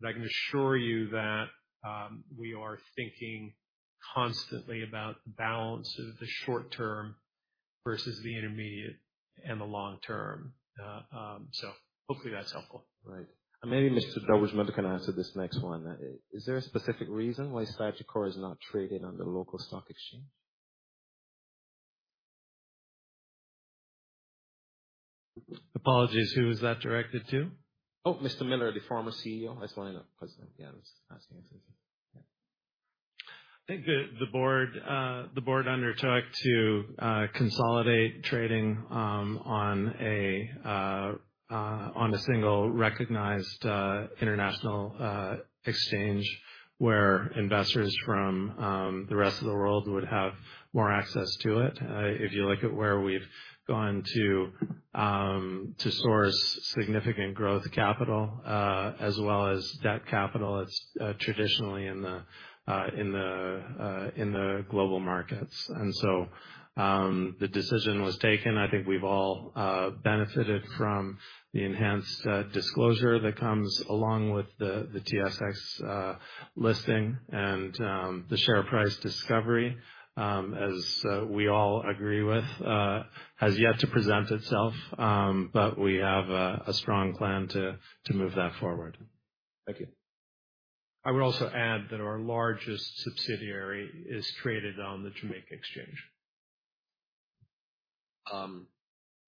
but I can assure you that, we are thinking constantly about the balance of the short term versus the intermediate and the long term. Hopefully that's helpful. Right. Maybe Mr. Miller might be can answer this next one. Is there a specific reason why Sagicor is not traded on the local stock exchange? Apologies, who is that directed to? Oh, Mr. Miller, the former CEO. I just want to know, because, yeah, I was asking. I think the board undertook to consolidate trading on a single recognized international exchange, where investors from the rest of the world would have more access to it. If you look at where we've gone to source significant growth capital, as well as debt capital, it's traditionally in the global markets. The decision was taken. I think we've all benefited from the enhanced disclosure that comes along with the TSX listing and the share price discovery, as we all agree with, has yet to present itself, but we have a strong plan to move that forward. Thank you. I would also add that our largest subsidiary is traded on the Jamaica Exchange.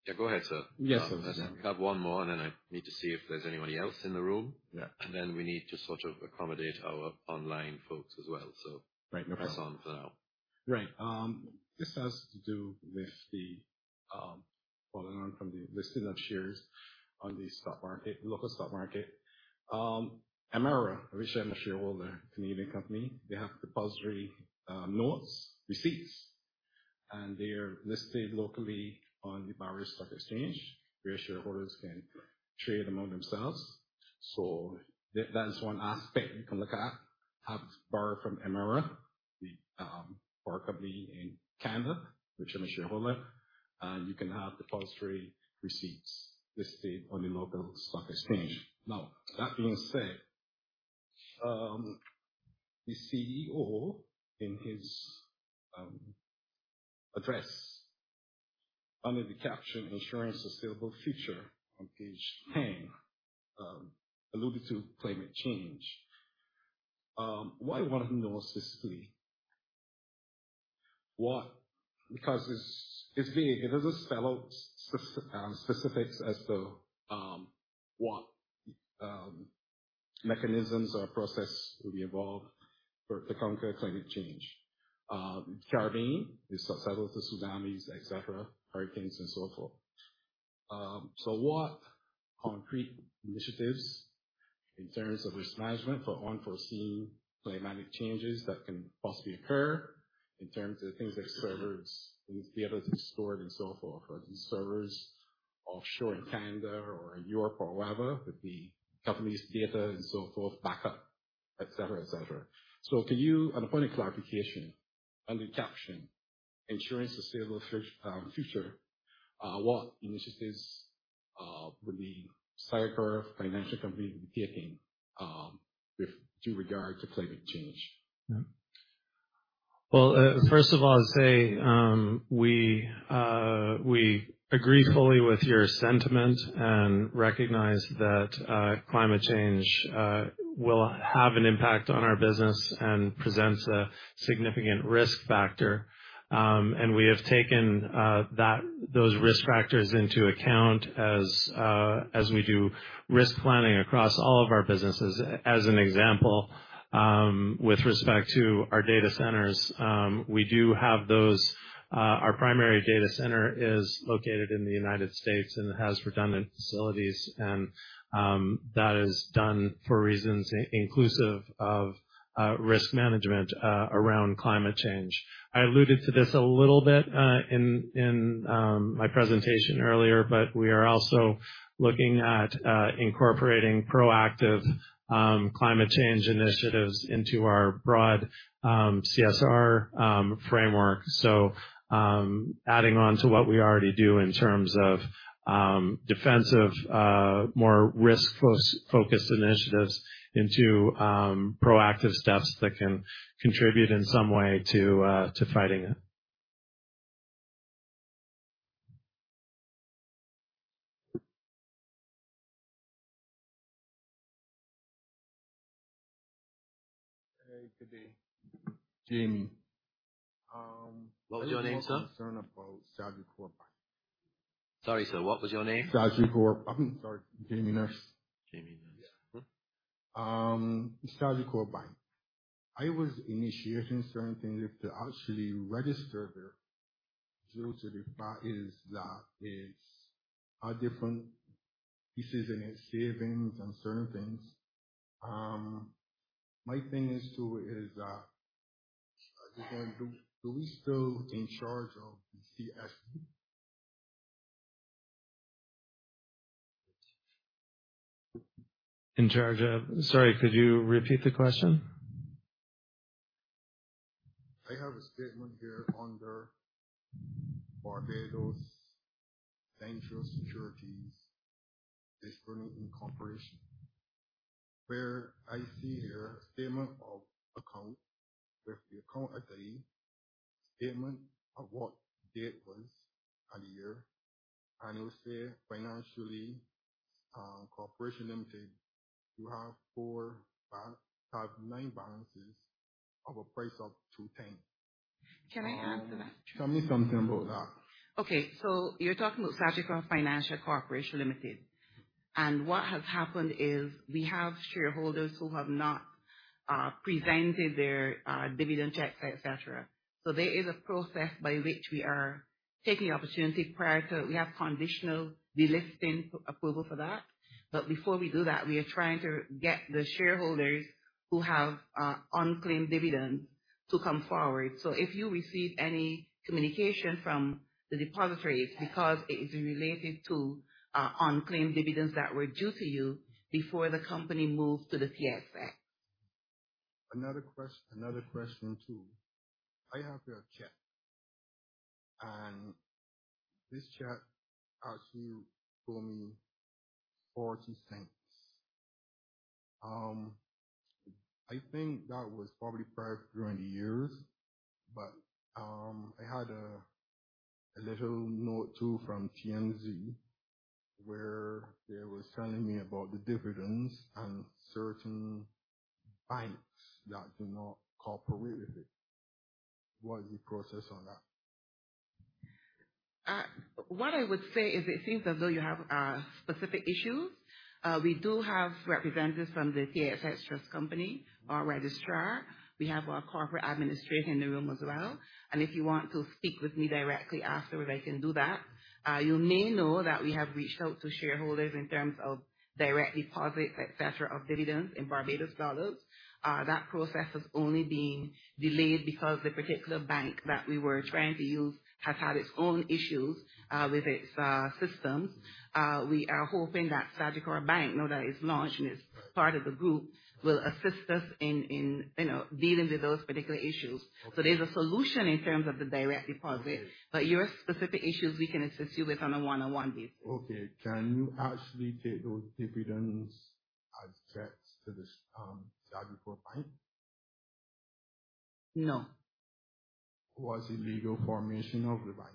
Yeah, go ahead, sir. Yes. We have one more, and then I need to see if there's anybody else in the room. Yeah. We need to sort of accommodate our online folks as well. Right. Carry on for now. Right. This has to do with the following on from the listing of shares on the stock market, local stock market. Emera, which I'm a shareholder, Canadian company, they have depository notes, receipts, and they are listed locally on the Barbados Stock Exchange, where shareholders can trade among themselves. That, that is one aspect you can look at, have borrowed from Emera, the power company in Canada, which I'm a shareholder, and you can have depository receipts listed on the local stock exchange. That being said, the CEO, in his address under the caption Insurance a Sustainable Future on page 10, alluded to climate change. Why one of the most history? Because it doesn't spell out specifics as to what mechanisms or process will be involved for, to conquer climate change. Barbados is susceptible to tsunamis, et cetera, hurricanes and so forth. What concrete initiatives, in terms of risk management for unforeseen climatic changes that can possibly occur, in terms of things like servers, and data that's stored and so forth. Are these servers offshore in Canada or in Europe or wherever, could be company's data and so forth, backup, et cetera, et cetera. Could you, and a point of clarification, under the caption: Insurance a Sustainable Future, what initiatives will the Sagicor Financial Company be taking with due regard to climate change? First of all, I'd say we agree fully with your sentiment and recognize that climate change will have an impact on our business and presents a significant risk factor. We have taken those risk factors into account as we do risk planning across all of our businesses. As an example, with respect to our data centers, our primary data center is located in the United States, and it has redundant facilities, that is done for reasons inclusive of risk management around climate change. I alluded to this a little bit in my presentation earlier, we are also looking at incorporating proactive climate change initiatives into our broad CSR framework. Adding on to what we already do in terms of defensive, more risk focused initiatives into proactive steps that can contribute in some way to fighting it. Hey, good day. Jamie. What was your name, sir? Concern about Sagicor Bank. Sorry, sir, what was your name? Sagicor. Sorry, Jamie Nurse. Jamie Nurse. Yeah. Sagicor Bank. I was initiating certain things to actually register there, due to the fact is that it's a different pieces in its savings and certain things. My thing is, do we still in charge of the CSB? In charge of...? Sorry, could you repeat the question? I have a statement here under Barbados Central Securities Depository Inc. where I see a statement of account, with the account ID, statement of what date was and the year, and it will say, financially, Corporation Limited, you have nine balances of a price of $2.10. Can I answer that? Tell me something about that? You're talking about Sagicor Financial Corporation Limited. What has happened is we have shareholders who have not presented their dividend checks, et cetera. There is a process by which we are taking the opportunity. We have conditional delisting approval for that. Before we do that, we are trying to get the shareholders who have unclaimed dividends to come forward. If you receive any communication from the depository, it's because it is related to unclaimed dividends that were due to you before the company moved to the TSX. Another question, too. I have your check, and this check actually show me $0.40. I think that was probably prior during the years, but I had a little note, too, from TTSE, where they were telling me about the dividends and certain banks that do not cooperate with it. What is the process on that? What I would say is it seems as though you have specific issues. We do have representatives from the TSX Trust Company, our registrar. We have our corporate administrator in the room as well. If you want to speak with me directly afterwards, I can do that. You may know that we have reached out to shareholders in terms of direct deposits, et cetera, of dividends in Barbados dollars. That process has only been delayed because the particular bank that we were trying to use has had its own issues with its systems. We are hoping that Sagicor Bank, now that it's launched and it's part of the group, will assist us in, you know, dealing with those particular issues. Okay. There's a solution in terms of the direct deposit-. Okay. Your specific issues we can assist you with on a one-on-one basis. Can you actually take those dividends as checks to this Sagicor Bank? No. What's the legal formation of the bank?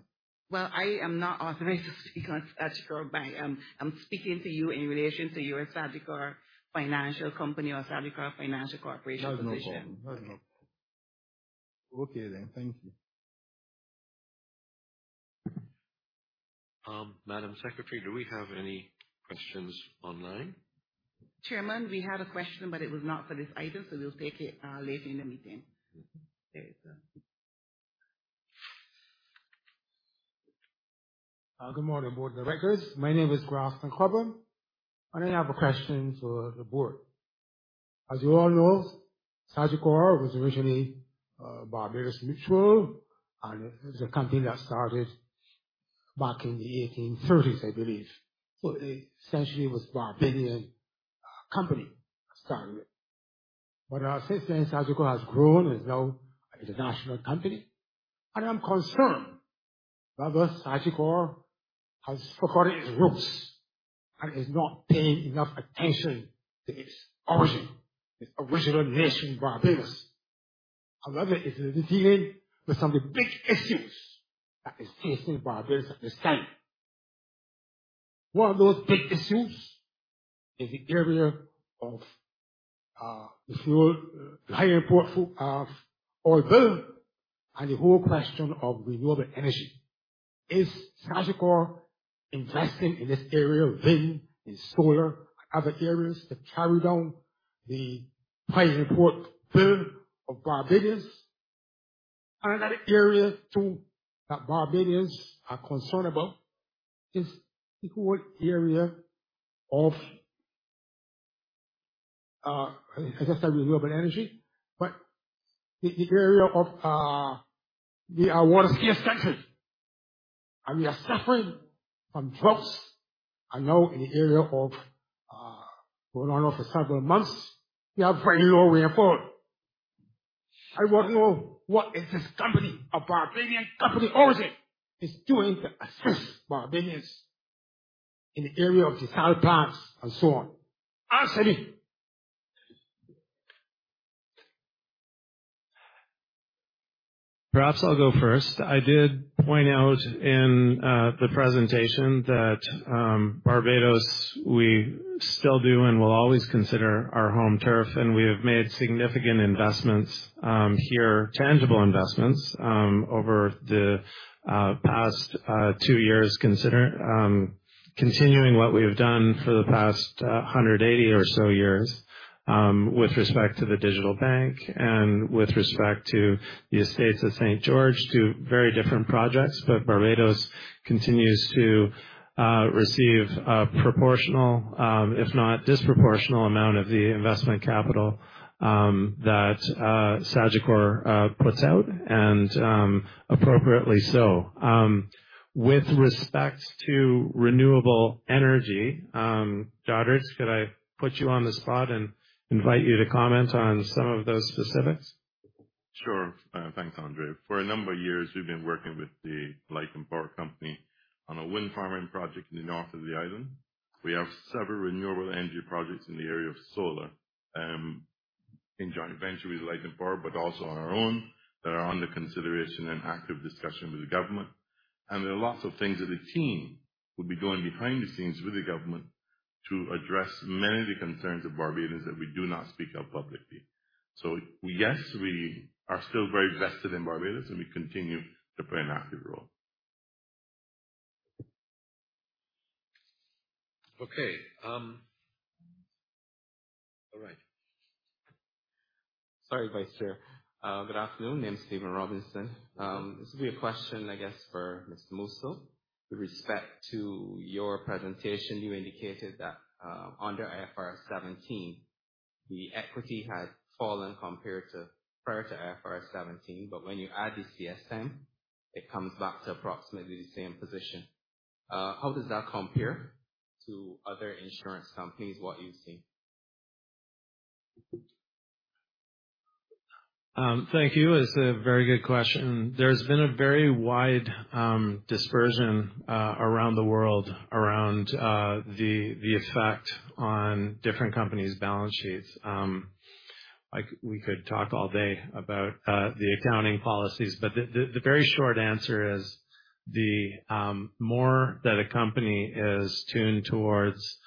Well, I am not authorized to speak on Sagicor Bank. I'm speaking to you in relation to your Sagicor Financial Company or Sagicor Financial Corporation position. That's no problem. That's no problem. Okay. Thank you. Madam Secretary, do we have any questions online? Chairman, we had a question. It was not for this item. We'll take it later in the meeting. Okay, sir. Good morning, board of directors. My name is Grafton Cobbler. I have a question for the board. As you all know, Sagicor was originally Barbados Mutual. It was a company that started back in the 1830s, I believe. It essentially was a Barbadian company to start with. Since then, Sagicor has grown and is now an international company. I'm concerned whether Sagicor has forgotten its roots and is not paying enough attention to its origin, its original nation, Barbados. However, it's dealing with some of the big issues that is facing Barbados at this time. One of those big issues is the area of the fuel high import of oil, the whole question of renewable energy. Is Sagicor investing in this area of wind and solar and other areas to carry down the high import bill of Barbados? Another area, too, that Barbadians are concerned about is the whole area of, I guess, renewable energy, but the area of, the water scarcity, and we are suffering from droughts. I know in the area of, going on for several months, we have very low rainfall. I want to know, what is this company, a Barbadian company owns it, is doing to assist Barbadians in the area of desalination plants and so on? Honestly! Perhaps I'll go first. I did point out in the presentation that Barbados, we still do and will always consider our home turf, and we have made significant investments here, tangible investments over the past two years, consider continuing what we have done for the past 180 or so years, with respect to the digital bank and with respect to The Estates at St. George, two very different projects. Barbados continues to receive a proportional, if not disproportional, amount of the investment capital that Sagicor puts out, and appropriately so. With respect to renewable energy, Dodridge Miller, could I put you on the spot and invite you to comment on some of those specifics? Sure. Thanks, Andre. For a number of years, we've been working with the Light & Power Company on a wind farming project in the north of the island. We have several renewable energy projects in the area of solar, in joint venture with Light & Power, but also on our own, that are under consideration and active discussion with the government. There are lots of things that the team will be doing behind the scenes with the government to address many of the concerns of Barbadians that we do not speak of publicly. Yes, we are still very vested in Barbados, and we continue to play an active role. Okay. All right. Sorry, Vice Chair. Good afternoon. My name is Steven Robinson. This will be a question, I guess, for Mr. Mousseau. With respect to your presentation, you indicated that under IFRS 17, the equity has fallen compared to prior to IFRS 17, but when you add the CSM, it comes back to approximately the same position. How does that compare to other insurance companies, what you've seen? Thank you. It's a very good question. There's been a very wide dispersion around the world, around the effect on different companies' balance sheets. We could talk all day about the accounting policies, but the very short answer is the more that a company is tuned towards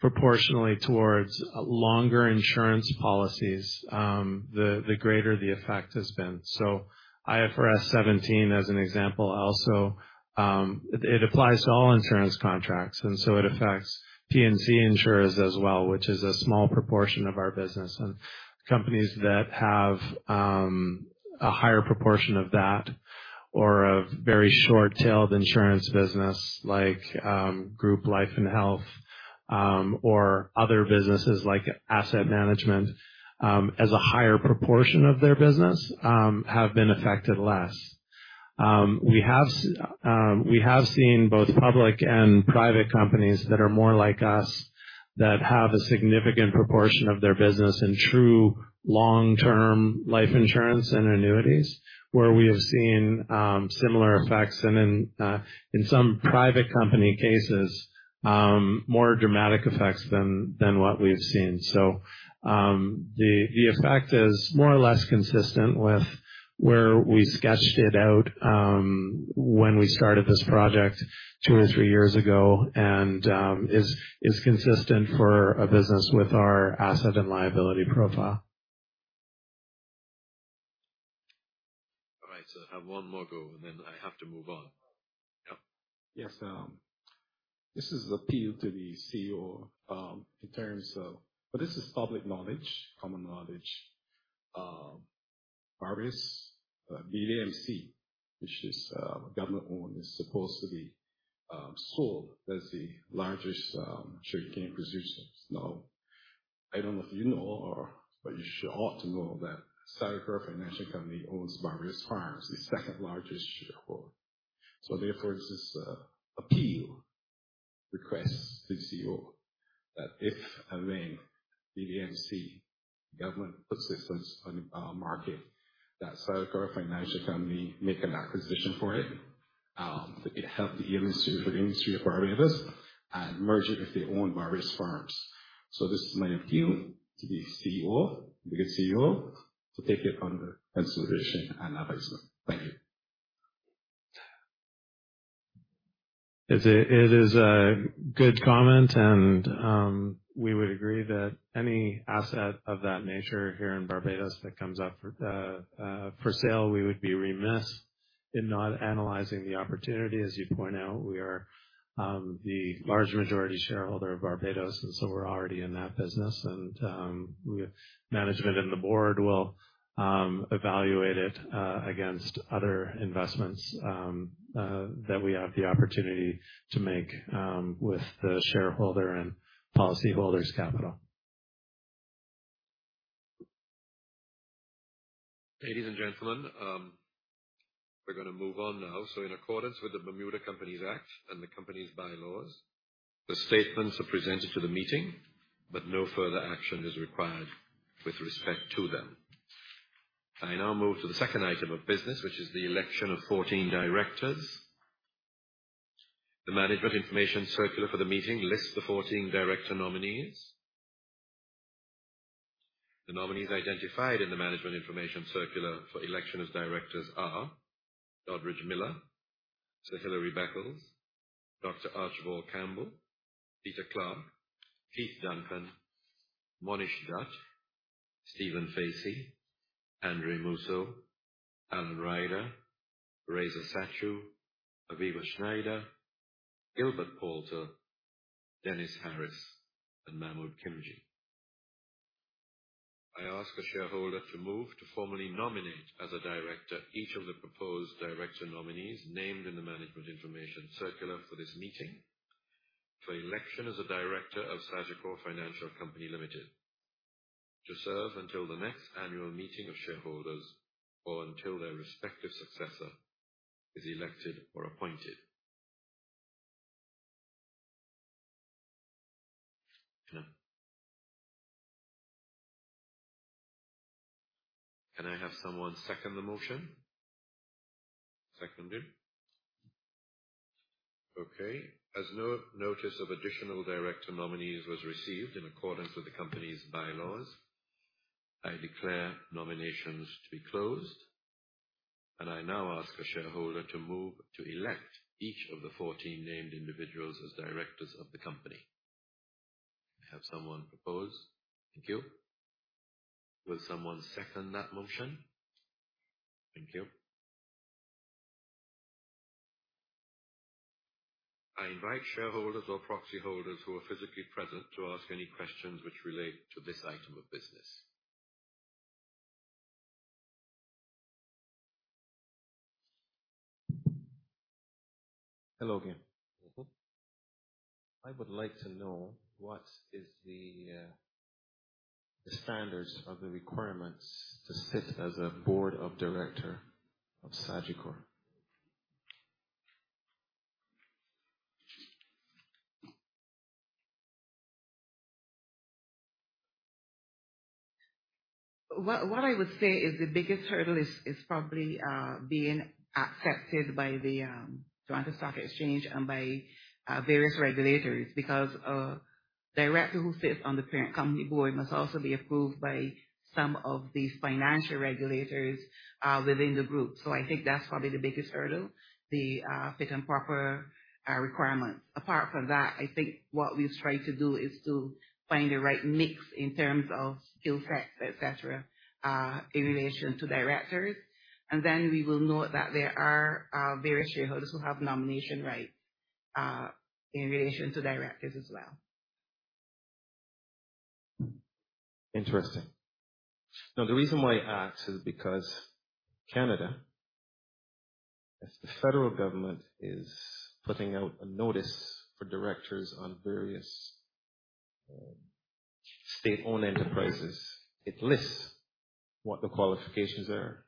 proportionally towards longer insurance policies, the greater the effect has been. IFRS 17, as an example, also applies to all insurance contracts, and so it affects P&C insurers as well, which is a small proportion of our business. Companies that have a higher proportion of that or a very short-tailed insurance business, like group life and health, or other businesses like asset management, as a higher proportion of their business, have been affected less. We have seen both public and private companies that are more like us, that have a significant proportion of their business in true long-term life insurance and annuities, where we have seen similar effects. In some private company cases, more dramatic effects than what we've seen. The effect is more or less consistent with where we sketched it out when we started this project 2 or 3 years ago, and is consistent for a business with our asset and liability profile. All right, I have one more go, and then I have to move on. Yep. Yes, this is appeal to the CEO, in terms of... this is public knowledge, common knowledge. Barbados, BAMC, which is government-owned, is supposed to be sold as the largest sugarcane producers. I don't know if you know or, but you should ought to know that Sagicor Financial Company owns various farms, the second-largest sugar corp. Therefore, this is appeal request to the CEO, that if BAMC government puts this on the market, that Sagicor Financial Company make an acquisition for it, to help the industry, for the industry of Barbados, and merge it with their own various farms. This is my appeal to the CEO, the good CEO, to take it under consideration and advice. Thank you. It is a good comment, we would agree that any asset of that nature here in Barbados that comes up for sale, we would be remiss in not analyzing the opportunity. As you point out, we are the large majority shareholder of Barbados, we're already in that business. We have management and the board will evaluate it against other investments that we have the opportunity to make with the shareholder and policyholders' capital. Ladies and gentlemen, we're gonna move on now. In accordance with the Companies Act 1981 and the company's bylaws, the statements are presented to the meeting, but no further action is required with respect to them. I now move to the second item of business, which is the election of 14 directors. The management information circular for the meeting lists the 14 director nominees. The nominees identified in the management information circular for election as directors are: Dodridge Miller, Sir Hilary Beckles, Dr. Archibald Campbell, Peter Clarke, Keith Duncan, Monish Dutt, Stephen Facey, Andre Mousseau, Alan Ryder, Reza Satchu, Aviva Shneider, Gilbert Palter, Dennis Harris, and Mahmood Khimji. I ask a shareholder to move to formally nominate as a director, each of the proposed director nominees named in the management information circular for this meeting, for election as a director of Sagicor Financial Company Ltd., to serve until the next annual meeting of shareholders or until their respective successor is elected or appointed. Can I have someone second the motion? Seconded. Okay. No notice of additional director nominees was received in accordance with the company's bylaws, I declare nominations to be closed, and I now ask a shareholder to move to elect each of the 14 named individuals as directors of the company. Can I have someone propose? Thank you. Will someone second that motion? Thank you. I invite shareholders or proxy holders who are physically present to ask any questions which relate to this item of business. Hello again. Mm-hmm. I would like to know what is the standards of the requirements to sit as a board of director of Sagicor? What I would say is the biggest hurdle is probably being accepted by the Toronto Stock Exchange and by various regulators. Director who sits on the parent company board must also be approved by some of these financial regulators within the group. I think that's probably the biggest hurdle, the fit and proper requirements. Apart from that, I think what we've tried to do is to find the right mix in terms of skill sets, et cetera, in relation to directors. We will note that there are various shareholders who have nomination rights in relation to directors as well. Interesting. The reason why I ask is because Canada, as the federal government, is putting out a notice for directors on various, state-owned enterprises. It lists what the qualifications are.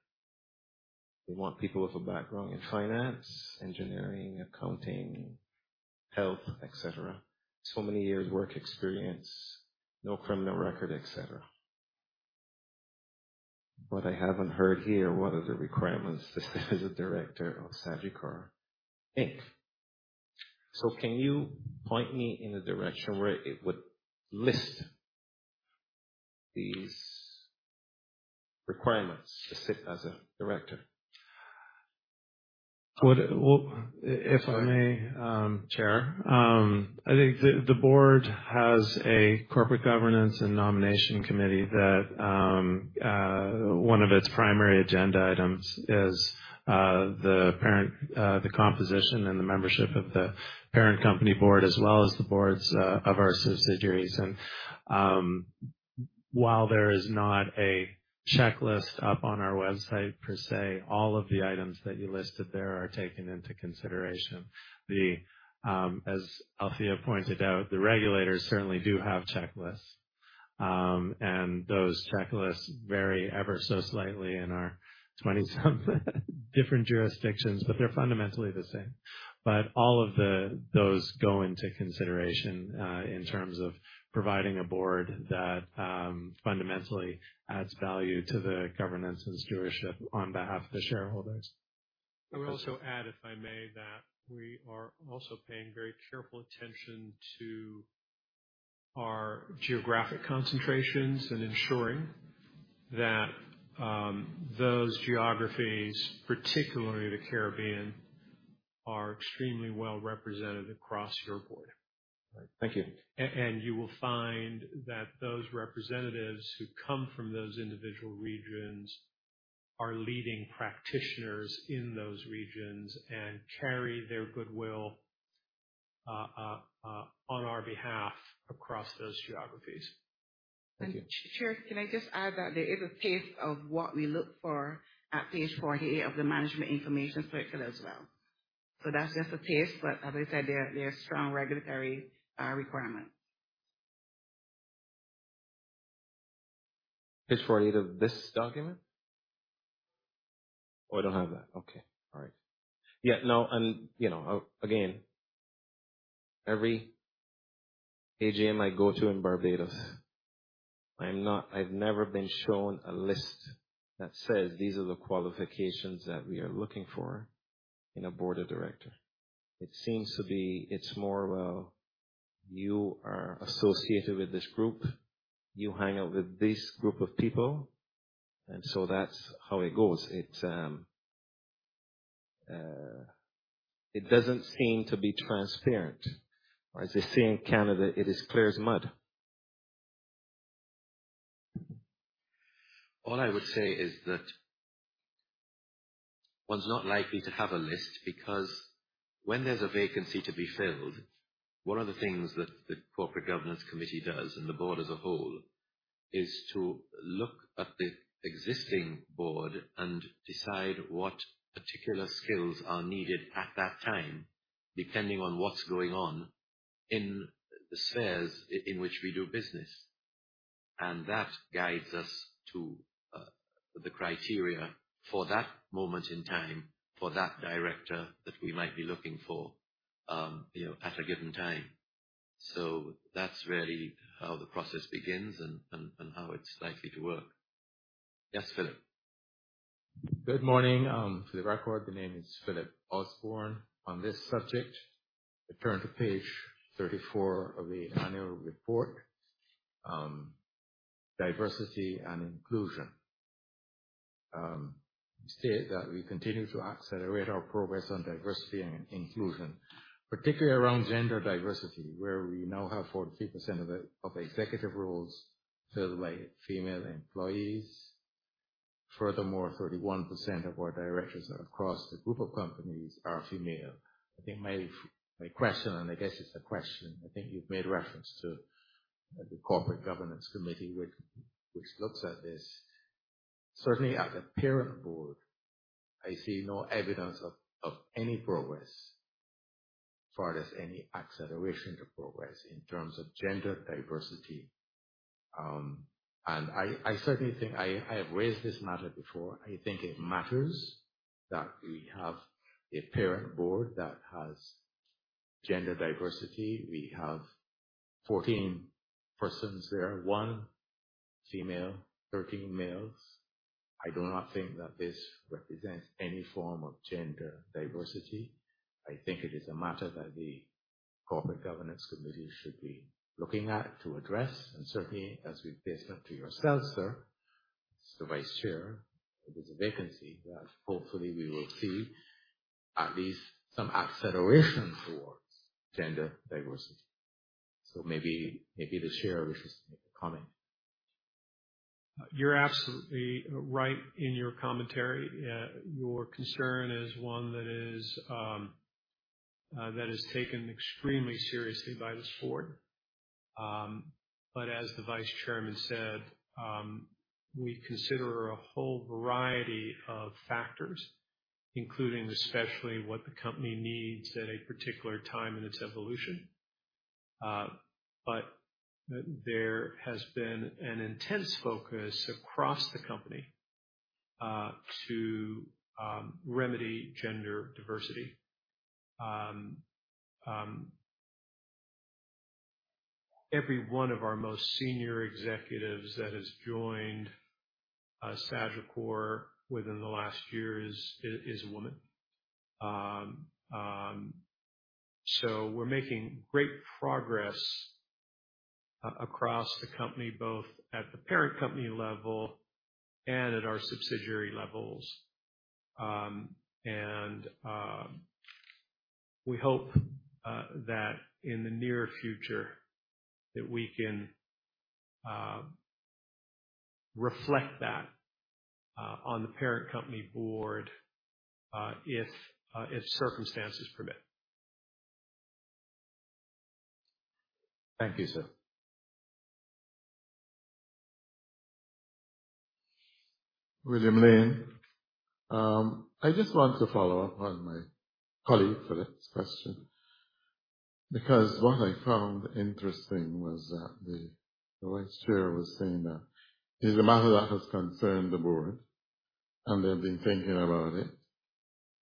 They want people with a background in finance, engineering, accounting, health, et cetera. So many years work experience, no criminal record, et cetera. What I haven't heard here, what are the requirements to serve as a director of Sagicor Inc? Can you point me in a direction where it would list these requirements to sit as a director? If I may, Chair, I think the board has a corporate governance and nomination committee that one of its primary agenda items is the composition and the membership of the parent company board, as well as the boards of our subsidiaries. While there is not a checklist up on our website per se, all of the items that you listed there are taken into consideration. As Althea pointed out, the regulators certainly do have checklists. Those checklists vary ever so slightly in our twenty-something different jurisdictions, but they're fundamentally the same. All of those go into consideration in terms of providing a board that fundamentally adds value to the governance and stewardship on behalf of the shareholders. I would also add, if I may, that we are also paying very careful attention to our geographic concentrations and ensuring that those geographies, particularly the Caribbean, are extremely well represented across your board. Right. Thank you. You will find that those representatives who come from those individual regions are leading practitioners in those regions and carry their goodwill on our behalf across those geographies. Thank you. Chair, can I just add that there is a case of what we look for at page 48 of the management information circular as well? That's just a case, but as I said, there are strong regulatory requirements. Page 48 of this document? Oh, I don't have that. Okay. All right. Yeah, no, you know, again, every AGM I go to in Barbados, I've never been shown a list that says, "These are the qualifications that we are looking for in a board of director." It seems to be it's more, well, you are associated with this group, you hang out with this group of people, that's how it goes. It doesn't seem to be transparent, or as they say in Canada, it is clear as mud. All I would say is that one's not likely to have a list, because when there's a vacancy to be filled, one of the things that the Corporate Governance Committee does, and the board as a whole, is to look at the existing board and decide what particular skills are needed at that time, depending on what's going on in the spheres in which we do business. That guides us to the criteria for that moment in time, for that director that we might be looking for, you know, at a given time. That's really how the process begins and how it's likely to work. Yes, Philip. Good morning. For the record, the name is Philip Osborne. On this subject, if you turn to page 34 of the annual report, diversity and inclusion. You state that we continue to accelerate our progress on diversity and inclusion, particularly around gender diversity, where we now have 43% of the executive roles filled by female employees. Furthermore, 31% of our directors across the group of companies are female. I think my question, and I guess it's a question, I think you've made reference to the Corporate Governance Committee, which looks at this. Certainly at the parent board, I see no evidence of any progress as far as any acceleration to progress in terms of gender diversity. I certainly think I have raised this matter before. I think it matters that we have a parent board that has gender diversity. We have 14 persons there. female, 13 males. I do not think that this represents any form of gender diversity. I think it is a matter that the Corporate Governance Committee should be looking at to address, and certainly as we've listened to yourselves, sir, the Vice-Chair, there is a vacancy that hopefully we will see at least some acceleration towards gender diversity. Maybe the chair wishes to make a comment. You're absolutely right in your commentary. Your concern is one that is that is taken extremely seriously by this board. As the Vice Chairman said, we consider a whole variety of factors, including especially what the company needs at a particular time in its evolution. There has been an intense focus across the company to remedy gender diversity. Every one of our most senior executives that has joined Sagicor within the last year is a woman. We're making great progress across the company, both at the parent company level and at our subsidiary levels. We hope that in the near future, that we can reflect that on the parent company board, if circumstances permit. Thank you, sir. William Lane. I just want to follow up on my colleague, Philip's question, because what I found interesting was that the vice chair was saying that it's a matter that has concerned the board, and they've been thinking about it.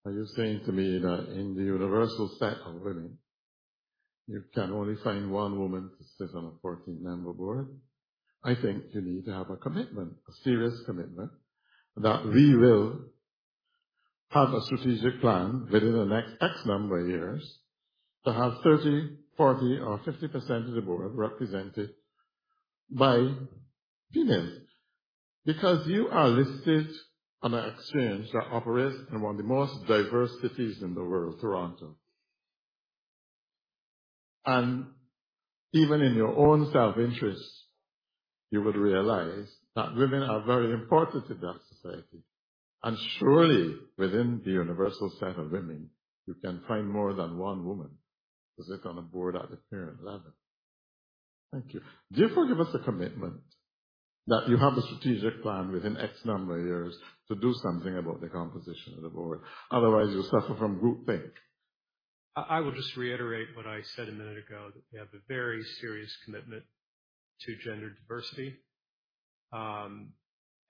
Are you saying to me that in the universal set of women, you can only find one woman to sit on a 14-member board? I think you need to have a commitment, a serious commitment, that we will have a strategic plan within the next X number of years to have 30%, 40% or 50% of the board represented by females. Because you are listed on an exchange that operates in one of the most diverse cities in the world, Toronto. Even in your own self-interest, you would realize that women are very important to that society, and surely, within the universal set of women, you can find more than 1 woman to sit on a board at the parent level. Thank you. Give us a commitment that you have a strategic plan within X number of years to do something about the composition of the board. Otherwise, you'll suffer from groupthink. I will just reiterate what I said a minute ago, that we have a very serious commitment to gender diversity.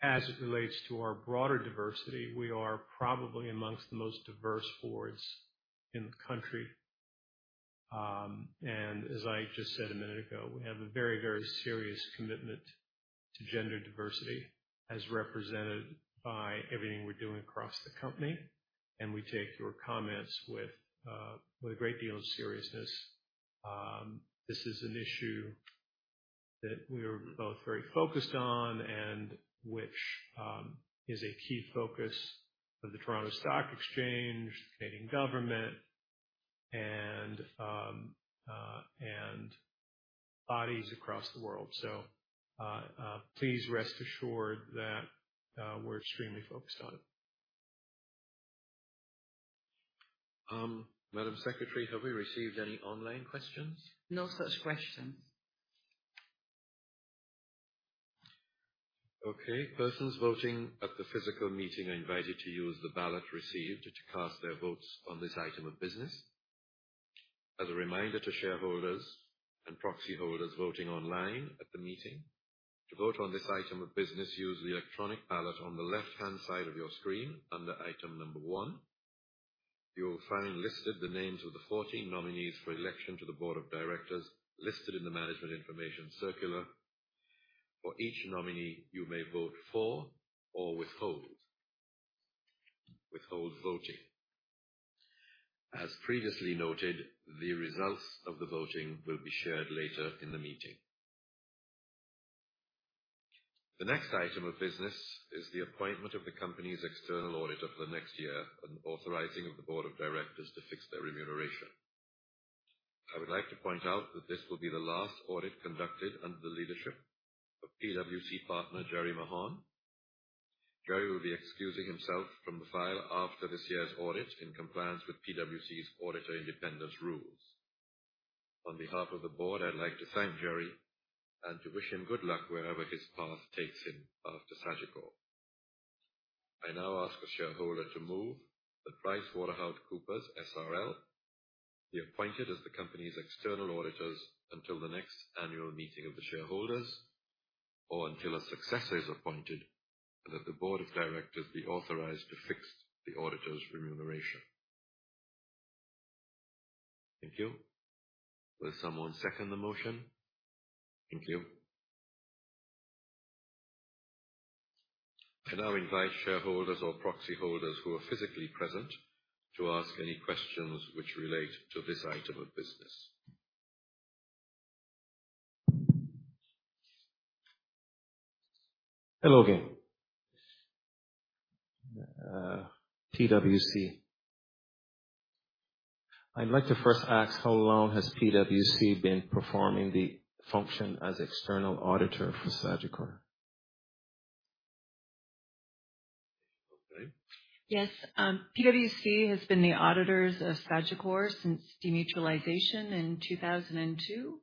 As it relates to our broader diversity, we are probably amongst the most diverse boards in the country. As I just said a minute ago, we have a very, very serious commitment to gender diversity, as represented by everything we're doing across the company, and we take your comments with a great deal of seriousness. This is an issue that we are both very focused on and which is a key focus of the Toronto Stock Exchange, Canadian government, and bodies across the world. Please rest assured that we're extremely focused on it. Madam Secretary, have we received any online questions? No such questions. Okay. Persons voting at the physical meeting are invited to use the ballot received to cast their votes on this item of business. As a reminder to shareholders and proxy holders voting online at the meeting, to vote on this item of business, use the electronic ballot on the left-hand side of your screen under item number one. You will find listed the names of the 14 nominees for election to the board of directors listed in the management information circular. For each nominee, you may vote for or withhold voting. As previously noted, the results of the voting will be shared later in the meeting. The next item of business is the appointment of the company's external auditor for the next year, and the authorizing of the board of directors to fix their remuneration. I would like to point out that this will be the last audit conducted under the leadership of PwC Partner, Jerry Mahon. Jerry will be excusing himself from the file after this year's audit in compliance with PwC's auditor independence rules. On behalf of the Board, I'd like to thank Jerry and to wish him good luck wherever his path takes him after Sagicor. I now ask a shareholder to move that PricewaterhouseCoopers SRL, be appointed as the company's external auditors until the next annual meeting of the shareholders, or until a successor is appointed, and that the Board of Directors be authorized to fix the auditors' remuneration. Thank you. Will someone second the motion? Thank you. I now invite shareholders or proxy holders who are physically present to ask any questions which relate to this item of business. Hello again. PwC. I'd like to first ask, how long has PwC been performing the function as external auditor for Sagicor? Yes, PwC has been the auditors of Sagicor since demutualization in 2002.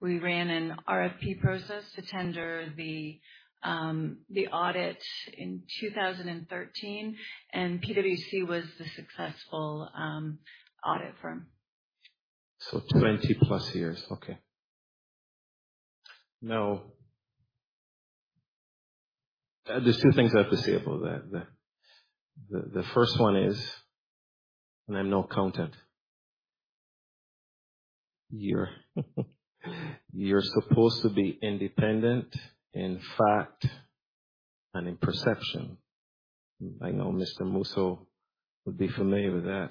We ran an RFP process to tender the audit in 2013, PwC was the successful audit firm. 20+ years. Okay. Now, there's two things I have to say about that. The first one is, and I'm no accountant. You're supposed to be independent in fact, and in perception. I know Mr. Mousseau would be familiar with that.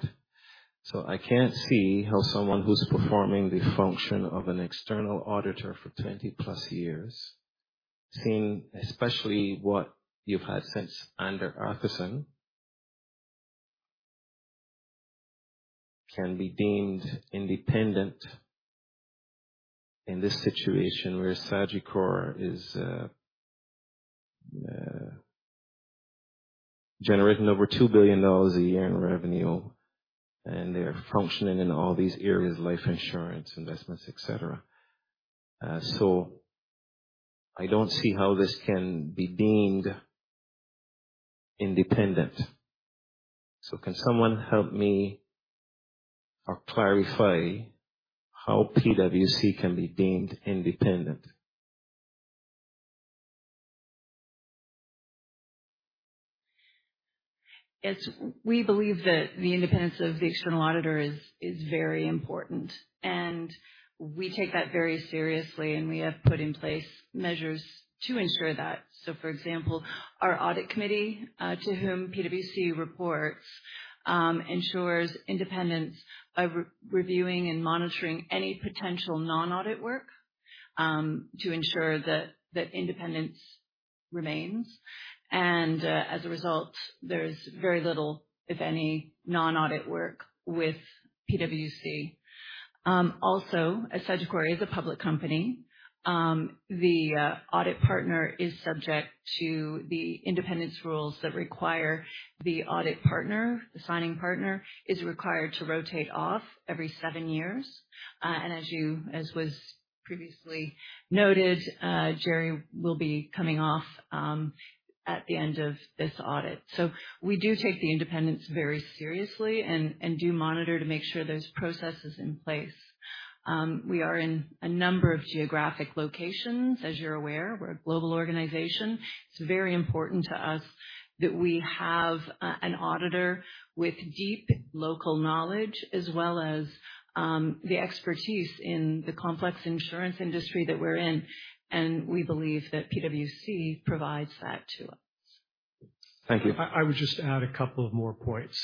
I can't see how someone who's performing the function of an external auditor for 20+ years, seeing especially what you've had since Arthur Andersen, can be deemed independent in this situation, where Sagicor is generating over $2 billion a year in revenue, and they are functioning in all these areas, life insurance, investments, et cetera. I don't see how this can be deemed independent. Can someone help me or clarify how PwC can be deemed independent? We believe that the independence of the external auditor is very important, and we take that very seriously, and we have put in place measures to ensure that. For example, our audit committee, to whom PwC reports, ensures independence by reviewing and monitoring any potential non-audit work to ensure that independence remains. As a result, there's very little, if any, non-audit work with PwC. Also, as Sagicor is a public company, the audit partner is subject to the independence rules that require the audit partner, the signing partner, is required to rotate off every seven years. As was previously noted, Jerry will be coming off at the end of this audit. We do take the independence very seriously and do monitor to make sure there's processes in place. We are in a number of geographic locations. As you're aware, we're a global organization. It's very important to us that we have an auditor with deep local knowledge, as well as the expertise in the complex insurance industry that we're in. We believe that PwC provides that to us. Thank you. I would just add a couple of more points.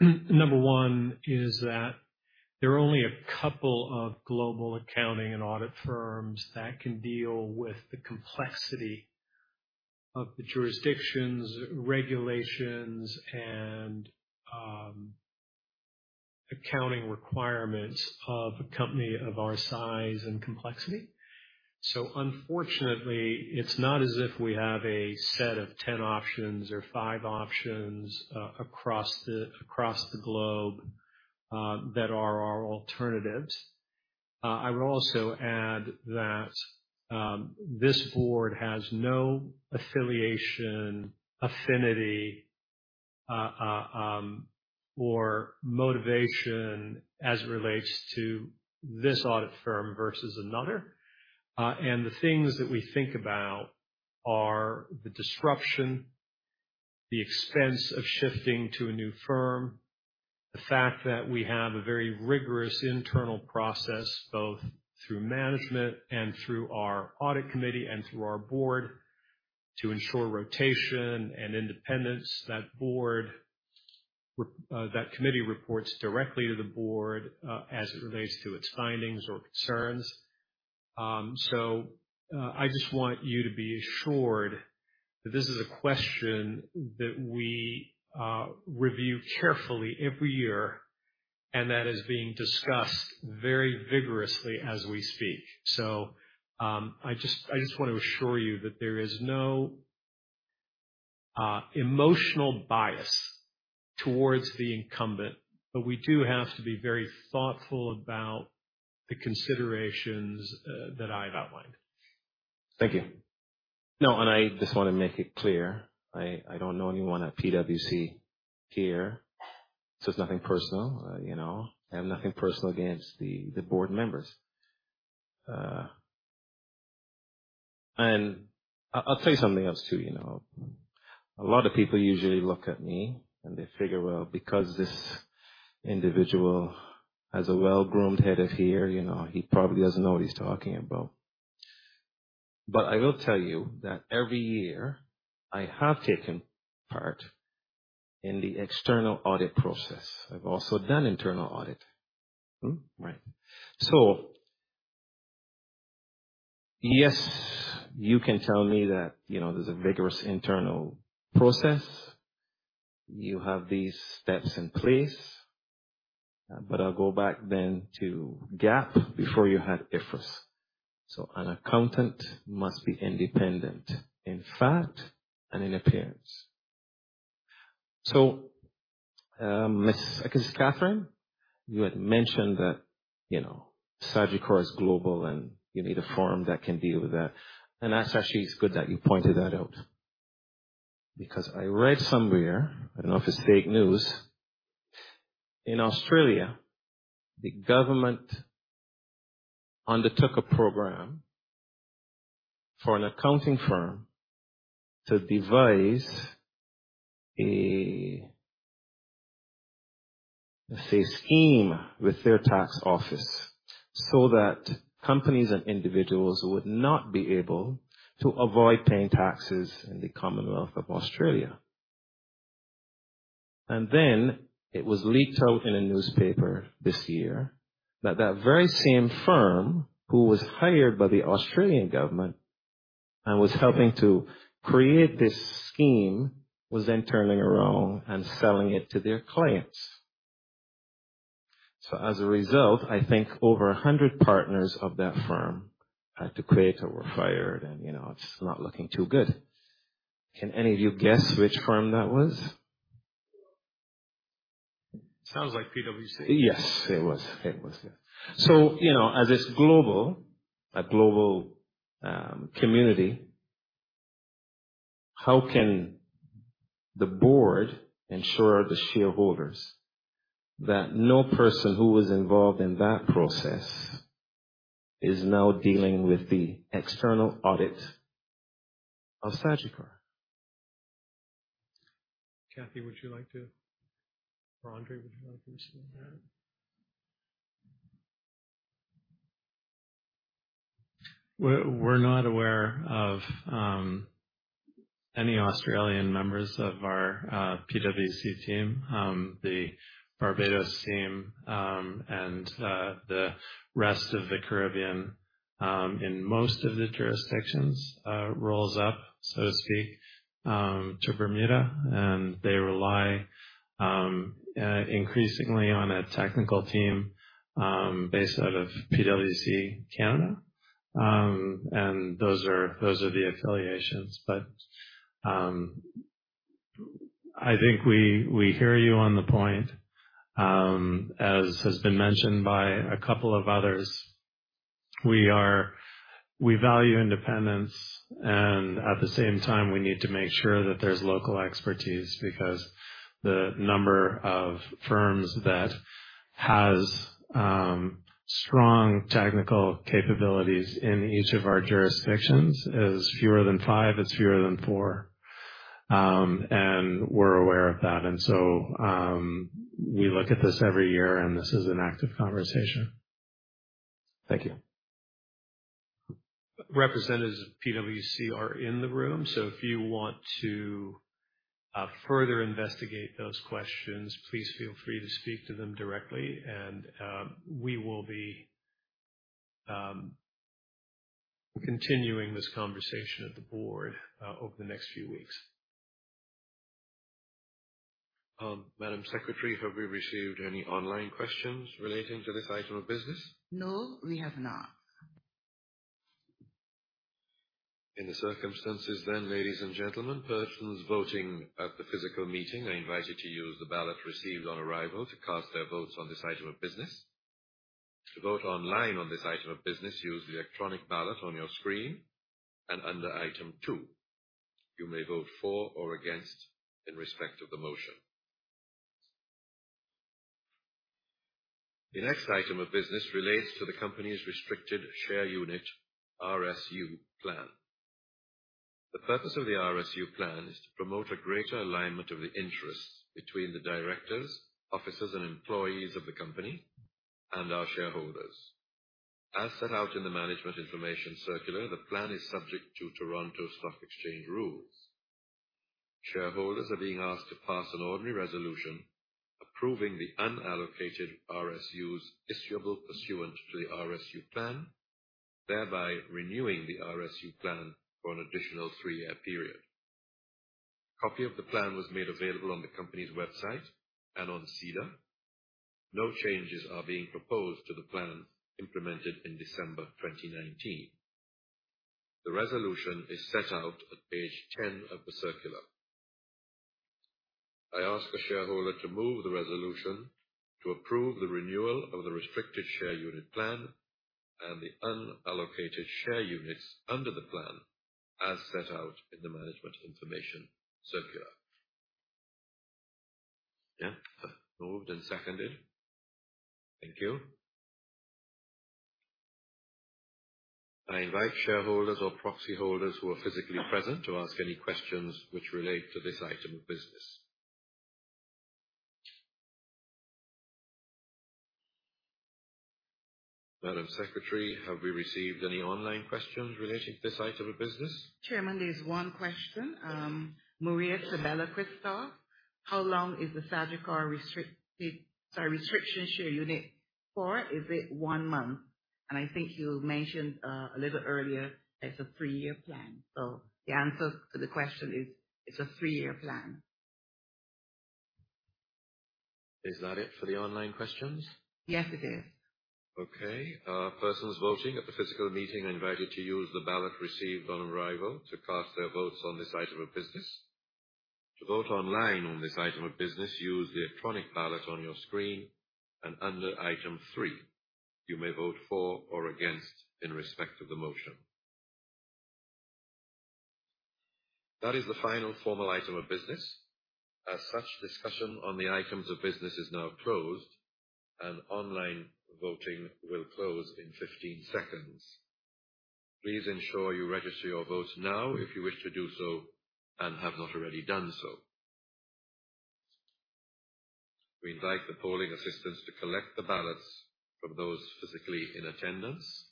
Number one is that there are only a couple of global accounting and audit firms that can deal with the complexity of the jurisdictions, regulations, and accounting requirements of a company of our size and complexity. Unfortunately, it's not as if we have a set of 10 options or 5 options across the globe that are our alternatives. I would also add that this board has no affiliation, affinity, or motivation as it relates to this audit firm versus another. The things that we think about are the disruption, the expense of shifting to a new firm, the fact that we have a very rigorous internal process, both through management and through our audit committee and through our board, to ensure rotation and independence. That committee reports directly to the board, as it relates to its findings or concerns. I just want you to be assured that this is a question that we review carefully every year and that is being discussed very vigorously as we speak. I just want to assure you that there is no emotional bias towards the incumbent, but we do have to be very thoughtful about the considerations that I've outlined. Thank you. No, I just want to make it clear, I don't know anyone at PwC here, so it's nothing personal. you know, I have nothing personal against the board members. I'll tell you something else, too, you know. A lot of people usually look at me, and they figure, well, because this individual has a well-groomed head of hair, you know, he probably doesn't know what he's talking about. But I will tell you that every year, I have taken part in the external audit process. I've also done internal audit. Hmm? Right. Yes, you can tell me that, you know, there's a vigorous internal process. You have these steps in place, but I'll go back then to GAAP before you had IFRS. An accountant must be independent, in fact and in appearance. Miss, I think it's Kathryn, you had mentioned that, you know, Sagicor is global, and you need a firm that can deal with that. That's actually good that you pointed that out. I read somewhere, I don't know if it's fake news, in Australia, the government undertook a program for an accounting firm to devise a, let's say, scheme with their tax office so that companies and individuals would not be able to avoid paying taxes in the Commonwealth of Australia. Then it was leaked out in a newspaper this year that that very same firm, who was hired by the Australian government and was helping to create this scheme, was then turning around and selling it to their clients. As a result, I think over 100 partners of that firm had to quit or were fired, and, you know, it's not looking too good. Can any of you guess which firm that was? Sounds like PwC. Yes, it was. It was, yeah. you know, as it's a global community, how can the board ensure the shareholders that no person who was involved in that process is now dealing with the external audit of Sagicor? Kathy, would you like to... Or Andre, would you like to answer that? We're not aware of any Australian members of our PwC team. The Barbados team and the rest of the Caribbean in most of the jurisdictions rolls up, so to speak, to Bermuda, and they rely increasingly on a technical team based out of PwC Canada. Those are the affiliations. I think we hear you on the point. As has been mentioned by a couple of others, we value independence, and at the same time, we need to make sure that there's local expertise, because the number of firms that has strong technical capabilities in each of our jurisdictions is fewer than five, it's fewer than four. We're aware of that, we look at this every year, and this is an active conversation. Thank you. Representatives of PwC are in the room, if you want to further investigate those questions, please feel free to speak to them directly. We will be continuing this conversation at the board over the next few weeks. Madam Secretary, have we received any online questions relating to this item of business? No, we have not. In the circumstances, ladies and gentlemen, persons voting at the physical meeting are invited to use the ballot received on arrival to cast their votes on this item of business. To vote online on this item of business, use the electronic ballot on your screen and under item 2. You may vote for or against in respect of the motion. The next item of business relates to the company's restricted share unit, RSU plan. The purpose of the RSU plan is to promote a greater alignment of the interests between the directors, officers, and employees of the company and our shareholders. As set out in the management information circular, the plan is subject to Toronto Stock Exchange rules. Shareholders are being asked to pass an ordinary resolution approving the unallocated RSUs issuable pursuant to the RSU plan, thereby renewing the RSU plan for an additional 3-year period. Copy of the plan was made available on the company's website and on SEDAR. No changes are being proposed to the plan implemented in December 2019. The resolution is set out at page 10 of the circular. I ask the shareholder to move the resolution to approve the renewal of the restricted share unit plan and the unallocated share units under the plan, as set out in the management information circular. Yeah, moved and seconded. Thank you. I invite shareholders or proxy holders who are physically present to ask any questions which relate to this item of business. Madam Secretary, have we received any online questions relating to this item of business? Chairman, there's 1 question, Maria Sabe-lall Krystal. How long is the Sagicor restricted share unit for? Is it 1 month? I think you mentioned a little earlier, it's a 3-year plan. The answer to the question is, it's a 3-year plan. Is that it for the online questions? Yes, it is. Okay. Persons voting at the physical meeting are invited to use the ballot received on arrival to cast their votes on this item of business. To vote online on this item of business, use the electronic ballot on your screen, under item 3, you may vote for or against in respect of the motion. That is the final formal item of business. As such, discussion on the items of business is now closed, and online voting will close in 15 seconds. Please ensure you register your vote now if you wish to do so and have not already done so. We invite the polling assistants to collect the ballots from those physically in attendance.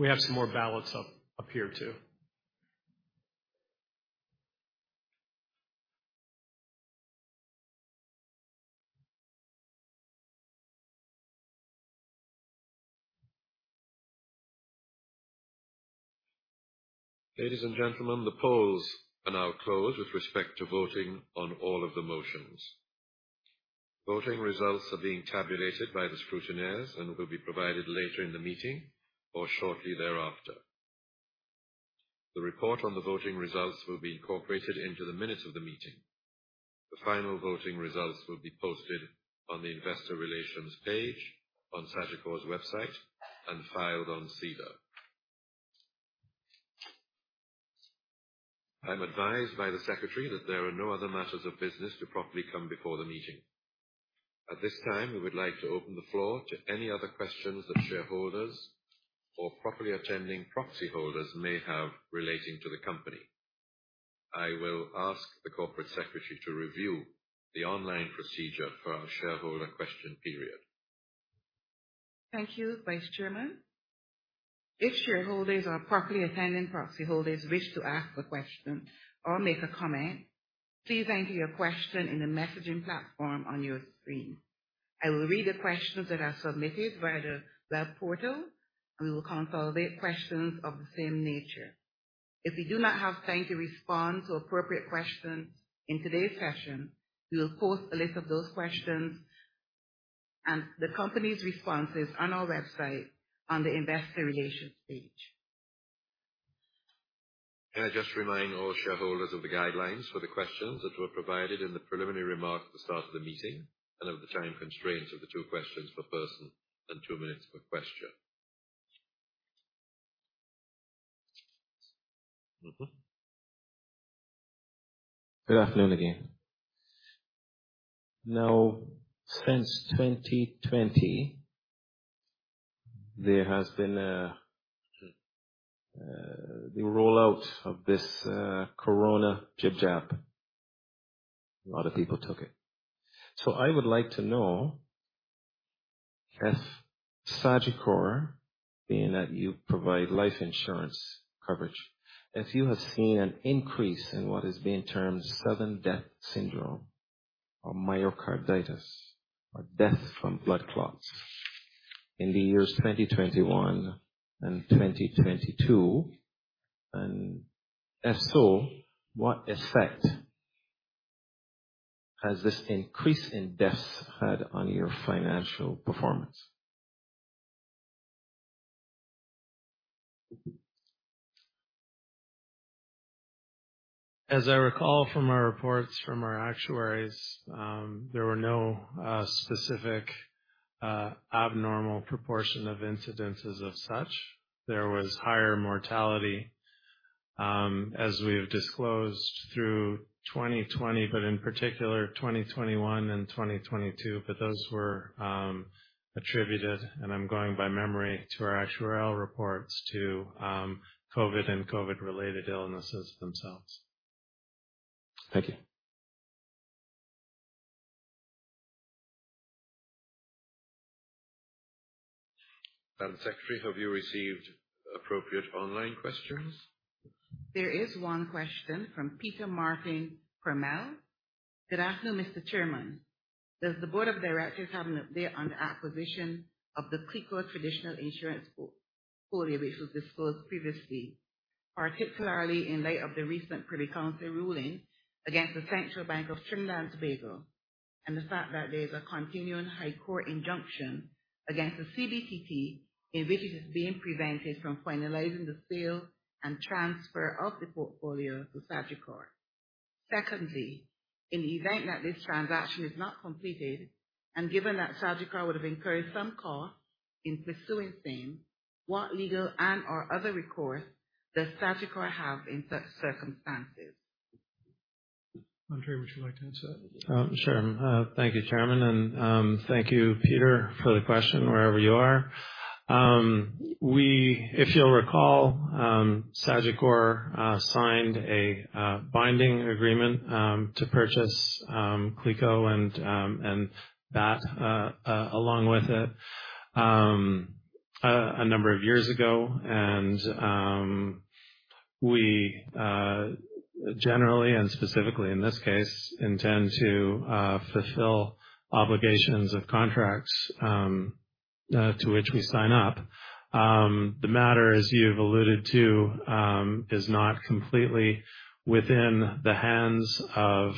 We have some more ballots up here, too. Ladies and gentlemen, the polls are now closed with respect to voting on all of the motions. Voting results are being tabulated by the scrutineers and will be provided later in the meeting or shortly thereafter. The report on the voting results will be incorporated into the minutes of the meeting. The final voting results will be posted on the Investor Relations page, on Sagicor's website, and filed on SEDAR. I'm advised by the secretary that there are no other matters of business to properly come before the meeting. At this time, we would like to open the floor to any other questions that shareholders or properly attending proxy holders may have relating to the company. I will ask the corporate secretary to review the online procedure for our shareholder question period. Thank you, Vice Chairman. If shareholders or properly attending proxy holders wish to ask a question or make a comment, please enter your question in the messaging platform on your screen. I will read the questions that are submitted via the web portal, and we will consolidate questions of the same nature. If we do not have time to respond to appropriate questions in today's session, we will post a list of those questions and the company's responses on our website on the Investor Relations page. May I just remind all shareholders of the guidelines for the questions that were provided in the preliminary remarks at the start of the meeting and of the time constraints of the 2 questions per person and 2 minutes per question? Good afternoon again. Since 2020, there has been the rollout of this COVID jab. A lot of people took it. I would like to know if Sagicor, being that you provide life insurance coverage, if you have seen an increase in what is being termed sudden death syndrome or myocarditis or death from blood clots in the years 2021 and 2022. If so, what effect has this increase in deaths had on your financial performance? As I recall from our reports from our actuaries, there were no specific abnormal proportion of incidences as such. There was higher mortality, as we have disclosed through 2020, but in particular 2021 and 2022. Those were attributed, and I'm going by memory, to our actuarial reports to COVID and COVID-related illnesses themselves. Thank you. Madam Secretary, have you received appropriate online questions? There is one question from Peter Martin-Cremer. Good afternoon, Mr. Chairman. Does the board of directors have an update on the acquisition of the CLICO Traditional Insurance Portfolio, which was disclosed previously, particularly in light of the recent Privy Council ruling against the Central Bank of Trinidad and Tobago, and the fact that there's a continuing high court injunction against the CDPT, in which it is being prevented from finalizing the sale and transfer of the portfolio to Sagicor? Secondly, in the event that this transaction is not completed, and given that Sagicor would have incurred some cost in pursuing same, what legal and/or other recourse does Sagicor have in such circumstances? Andre, would you like to answer that? Sure. Thank you, Chairman, thank you, Peter, for the question, wherever you are. If you'll recall, Sagicor signed a binding agreement to purchase CLICO along with it, a number of years ago. We, generally and specifically in this case, intend to fulfill obligations of contracts to which we sign up. The matter, as you've alluded to, is not completely within the hands of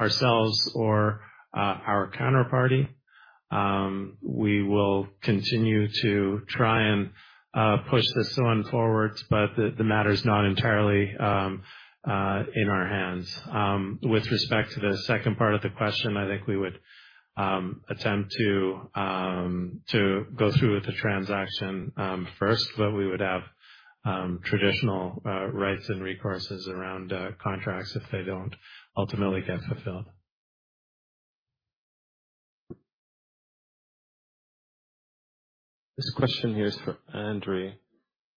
ourselves or our counterparty. We will continue to try and push this one forward, the matter is not entirely in our hands. With respect to the second part of the question, I think we would attempt to go through with the transaction first. We would have traditional rights and recourses around contracts if they don't ultimately get fulfilled. This question here is for Andre.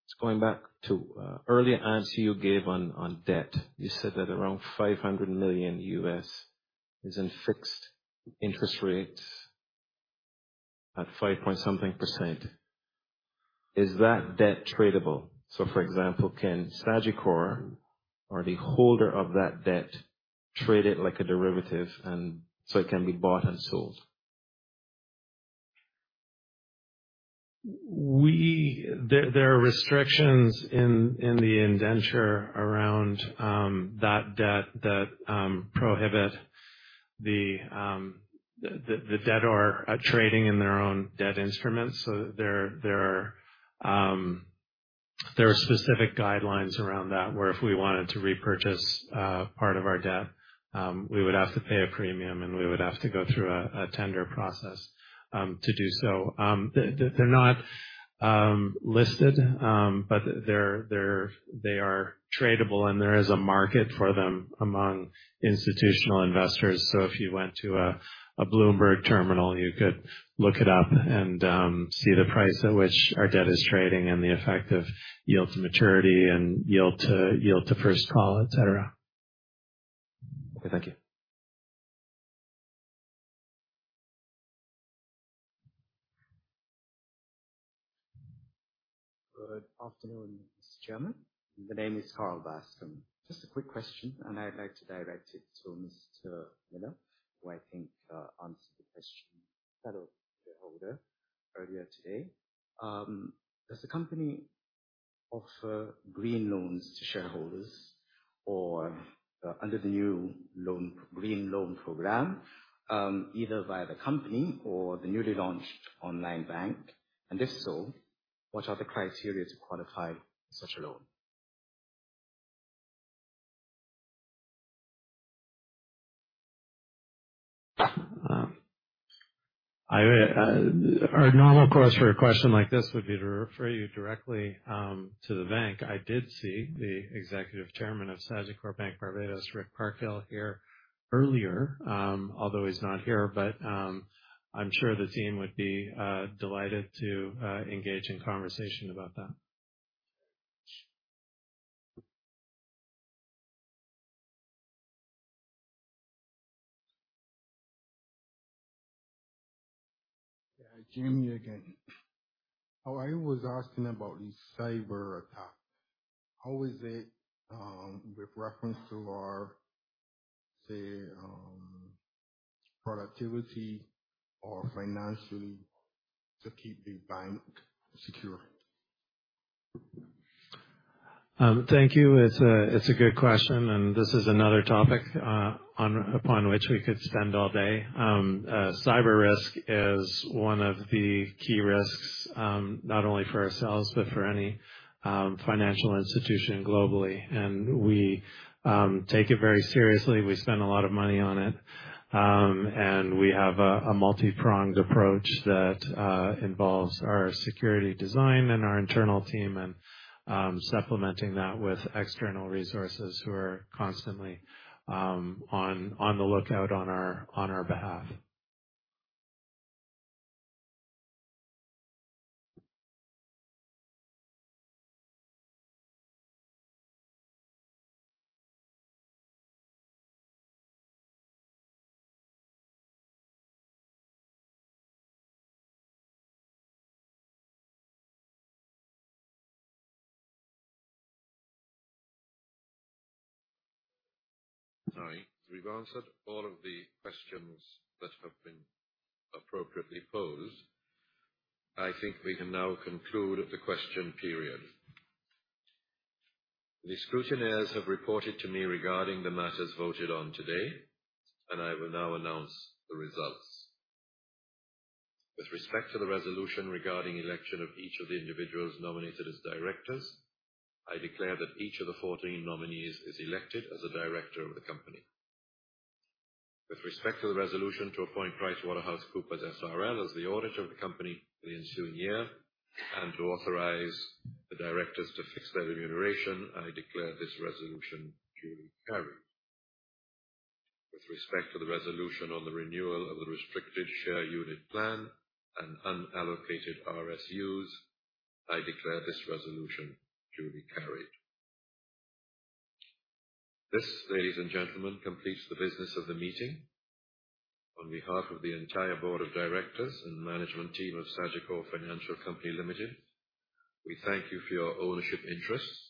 It's going back to earlier answer you gave on debt. You said that around $500 million is in fixed interest rates at 5.something%. Is that debt tradable? For example, can Sagicor or the holder of that debt trade it like a derivative and so it can be bought and sold? There are restrictions in the indenture around that debt that prohibit the debtor trading in their own debt instruments. There are specific guidelines around that, where if we wanted to repurchase part of our debt, we would have to pay a premium, and we would have to go through a tender process to do so. They're not listed, but they are tradable, and there is a market for them among institutional investors. If you went to a Bloomberg terminal, you could look it up and see the price at which our debt is trading and the effect of yield to maturity and yield to first call, et cetera. Okay, thank you. Good afternoon, Mr. Chairman. The name is Carl Blenman. Just a quick question, and I'd like to direct it to Mr. Miller, who I think answered the question of the shareholder earlier today. Does the company offer green loans to shareholders or under the new loan, green loan program, either via the company or the newly launched online bank? If so, what are the criteria to qualify such a loan? Our normal course for a question like this would be to refer you directly to the bank. I did see the Executive Chairman of Sagicor Bank Barbados, Riviere 'Rik' Parkhill, here earlier, although he's not here. I'm sure the team would be delighted to engage in conversation about that. Yeah, Jamie again. I was asking about the cyberattack. How is it, with reference to our, say, productivity or financially to keep the bank secure? Thank you. It's a good question, and this is another topic upon which we could spend all day. Cyber risk is one of the key risks, not only for ourselves, but for any financial institution globally. We take it very seriously. We spend a lot of money on it, and we have a multi-pronged approach that involves our security design and our internal team, and supplementing that with external resources who are constantly on the lookout on our behalf. Sorry. We've answered all of the questions that have been appropriately posed. I think we can now conclude the question period. The scrutineers have reported to me regarding the matters voted on today, and I will now announce the results. With respect to the resolution regarding election of each of the individuals nominated as directors, I declare that each of the 14 nominees is elected as a director of the company. With respect to the resolution to appoint PricewaterhouseCoopers SRL as the auditor of the company in the ensuing year, and to authorize the directors to fix their remuneration, I declare this resolution to be carried. With respect to the resolution on the renewal of the Restricted Share Unit Plan and unallocated RSUs, I declare this resolution to be carried. This, ladies and gentlemen, completes the business of the meeting. On behalf of the entire board of directors and management team of Sagicor Financial Company Ltd., we thank you for your ownership interests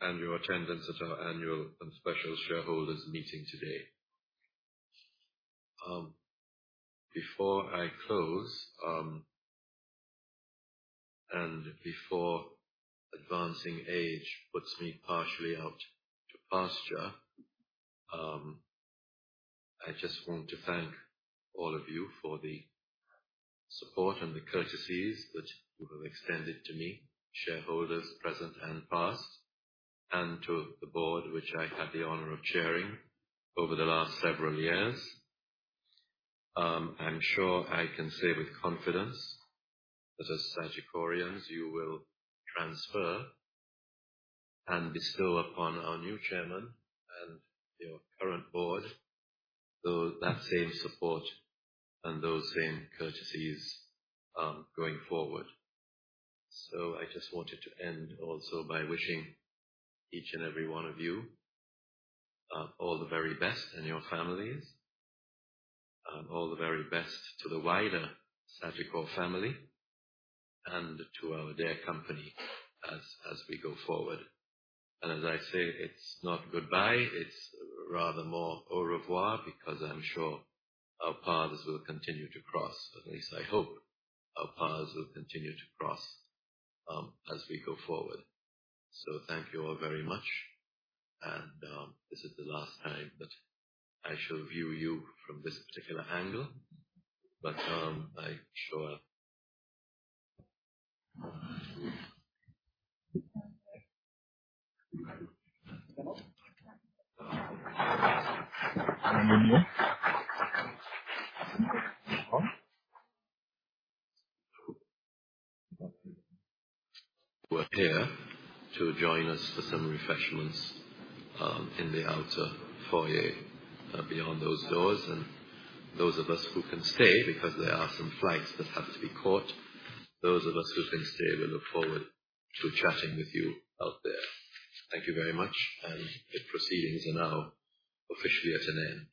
and your attendance at our annual and special shareholders meeting today. Before I close, before advancing age puts me partially out to pasture, I just want to thank all of you for the support and the courtesies that you have extended to me, shareholders, present and past, and to the board, which I had the honor of chairing over the last several years. I'm sure I can say with confidence that as Sagicorians, you will transfer and bestow upon our new chairman and your current board, that same support and those same courtesies, going forward. I just wanted to end also by wishing each and every one of you, all the very best and your families, all the very best to the wider Sagicor family and to our dear company as we go forward. As I say, it's not goodbye, it's rather more au revoir, because I'm sure our paths will continue to cross. At least I hope our paths will continue to cross as we go forward. Thank you all very much, and this is the last time that I shall view you from this particular angle, but we're here to join us for some refreshments in the outer foyer beyond those doors. Those of us who can stay, because there are some flights that have to be caught. Those of us who can stay, we look forward to chatting with you out there. Thank you very much. The proceedings are now officially at an end. Thank you.